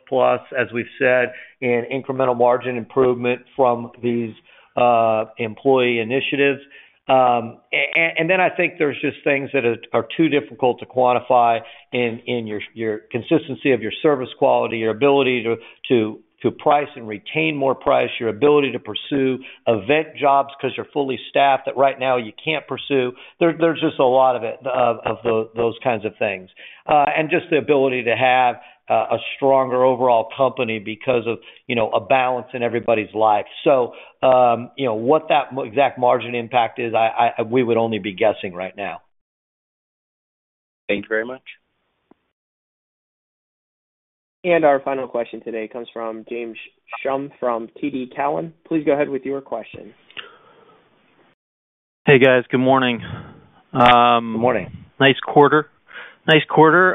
as we've said, in incremental margin improvement from these employee initiatives. And then I think there's just things that are too difficult to quantify in your consistency of your service quality, your ability to price and retain more price, your ability to pursue event jobs because you're fully staffed that right now you can't pursue. There's just a lot of it of those kinds of things, and just the ability to have a stronger overall company because of a balance in everybody's life. So what that exact margin impact is, we would only be guessing right now. Thank you very much. Our final question today comes from James Schumm from TD Cowen. Please go ahead with your question. Hey, guys. Good morning. Good morning. Nice quarter. Nice quarter.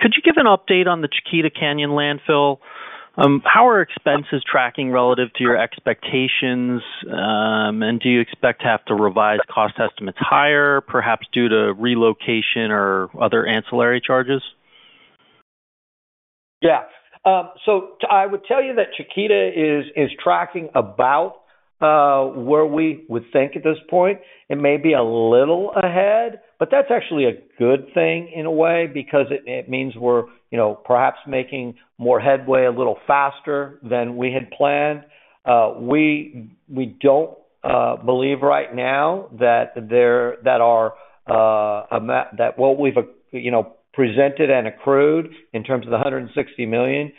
Could you give an update on the Chiquita Canyon landfill? How are expenses tracking relative to your expectations, and do you expect to have to revise cost estimates higher, perhaps due to relocation or other ancillary charges? Yeah. So I would tell you that Chiquita is tracking about where we would think at this point. It may be a little ahead, but that's actually a good thing in a way because it means we're perhaps making more headway a little faster than we had planned. We don't believe right now that what we've presented and accrued in terms of the $160 million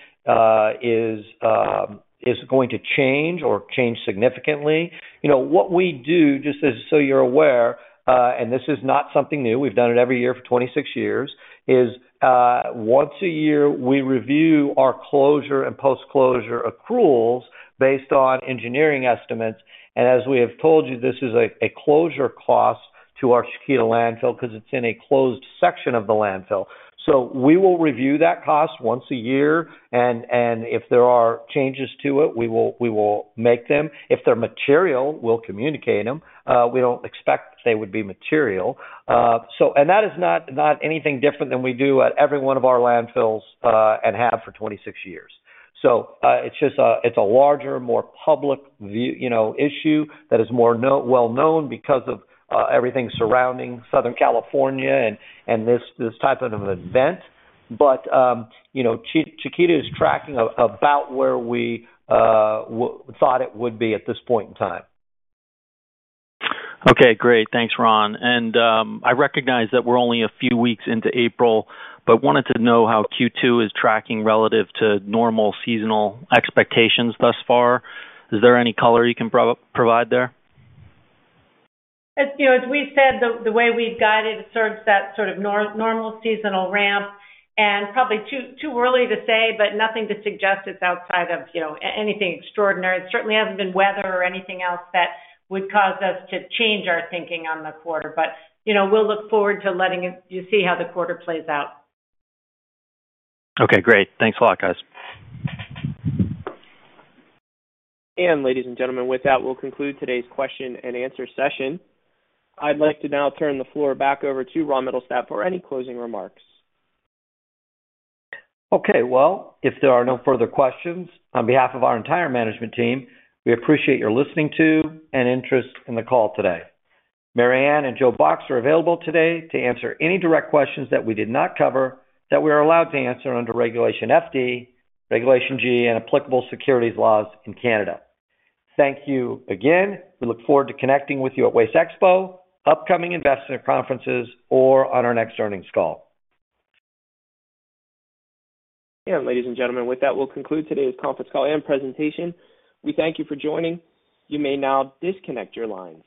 is going to change or change significantly. What we do, just so you're aware, and this is not something new. We've done it every year for 26 years, is once a year, we review our closure and post-closure accruals based on engineering estimates. As we have told you, this is a closure cost to our Chiquita landfill because it's in a closed section of the landfill. So we will review that cost once a year. And if there are changes to it, we will make them. If they're material, we'll communicate them. We don't expect they would be material. And that is not anything different than we do at every one of our landfills and have for 26 years. So it's a larger, more public issue that is more well-known because of everything surrounding Southern California and this type of event. But Chiquita is tracking about where we thought it would be at this point in time. Okay. Great. Thanks, Ron. I recognize that we're only a few weeks into April, but wanted to know how Q2 is tracking relative to normal seasonal expectations thus far. Is there any color you can provide there? As we said, the way we've guided it serves that sort of normal seasonal ramp. Probably too early to say, but nothing to suggest it's outside of anything extraordinary. It certainly hasn't been weather or anything else that would cause us to change our thinking on the quarter. We'll look forward to letting you see how the quarter plays out. Okay. Great. Thanks a lot, guys. Ladies and gentlemen, with that, we'll conclude today's question and answer session. I'd like to now turn the floor back over to Ron Mittelstaedt for any closing remarks. Okay. Well, if there are no further questions, on behalf of our entire Management team, we appreciate your listening to and interest in the call today. Mary Anne and Joe Box are available today to answer any direct questions that we did not cover that we are allowed to answer under Regulation FD, Regulation G, and applicable securities laws in Canada. Thank you again. We look forward to connecting with you at Waste Expo, upcoming investment conferences, or on our next earnings call. Ladies and gentlemen, with that, we'll conclude today's conference call and presentation. We thank you for joining. You may now disconnect your lines.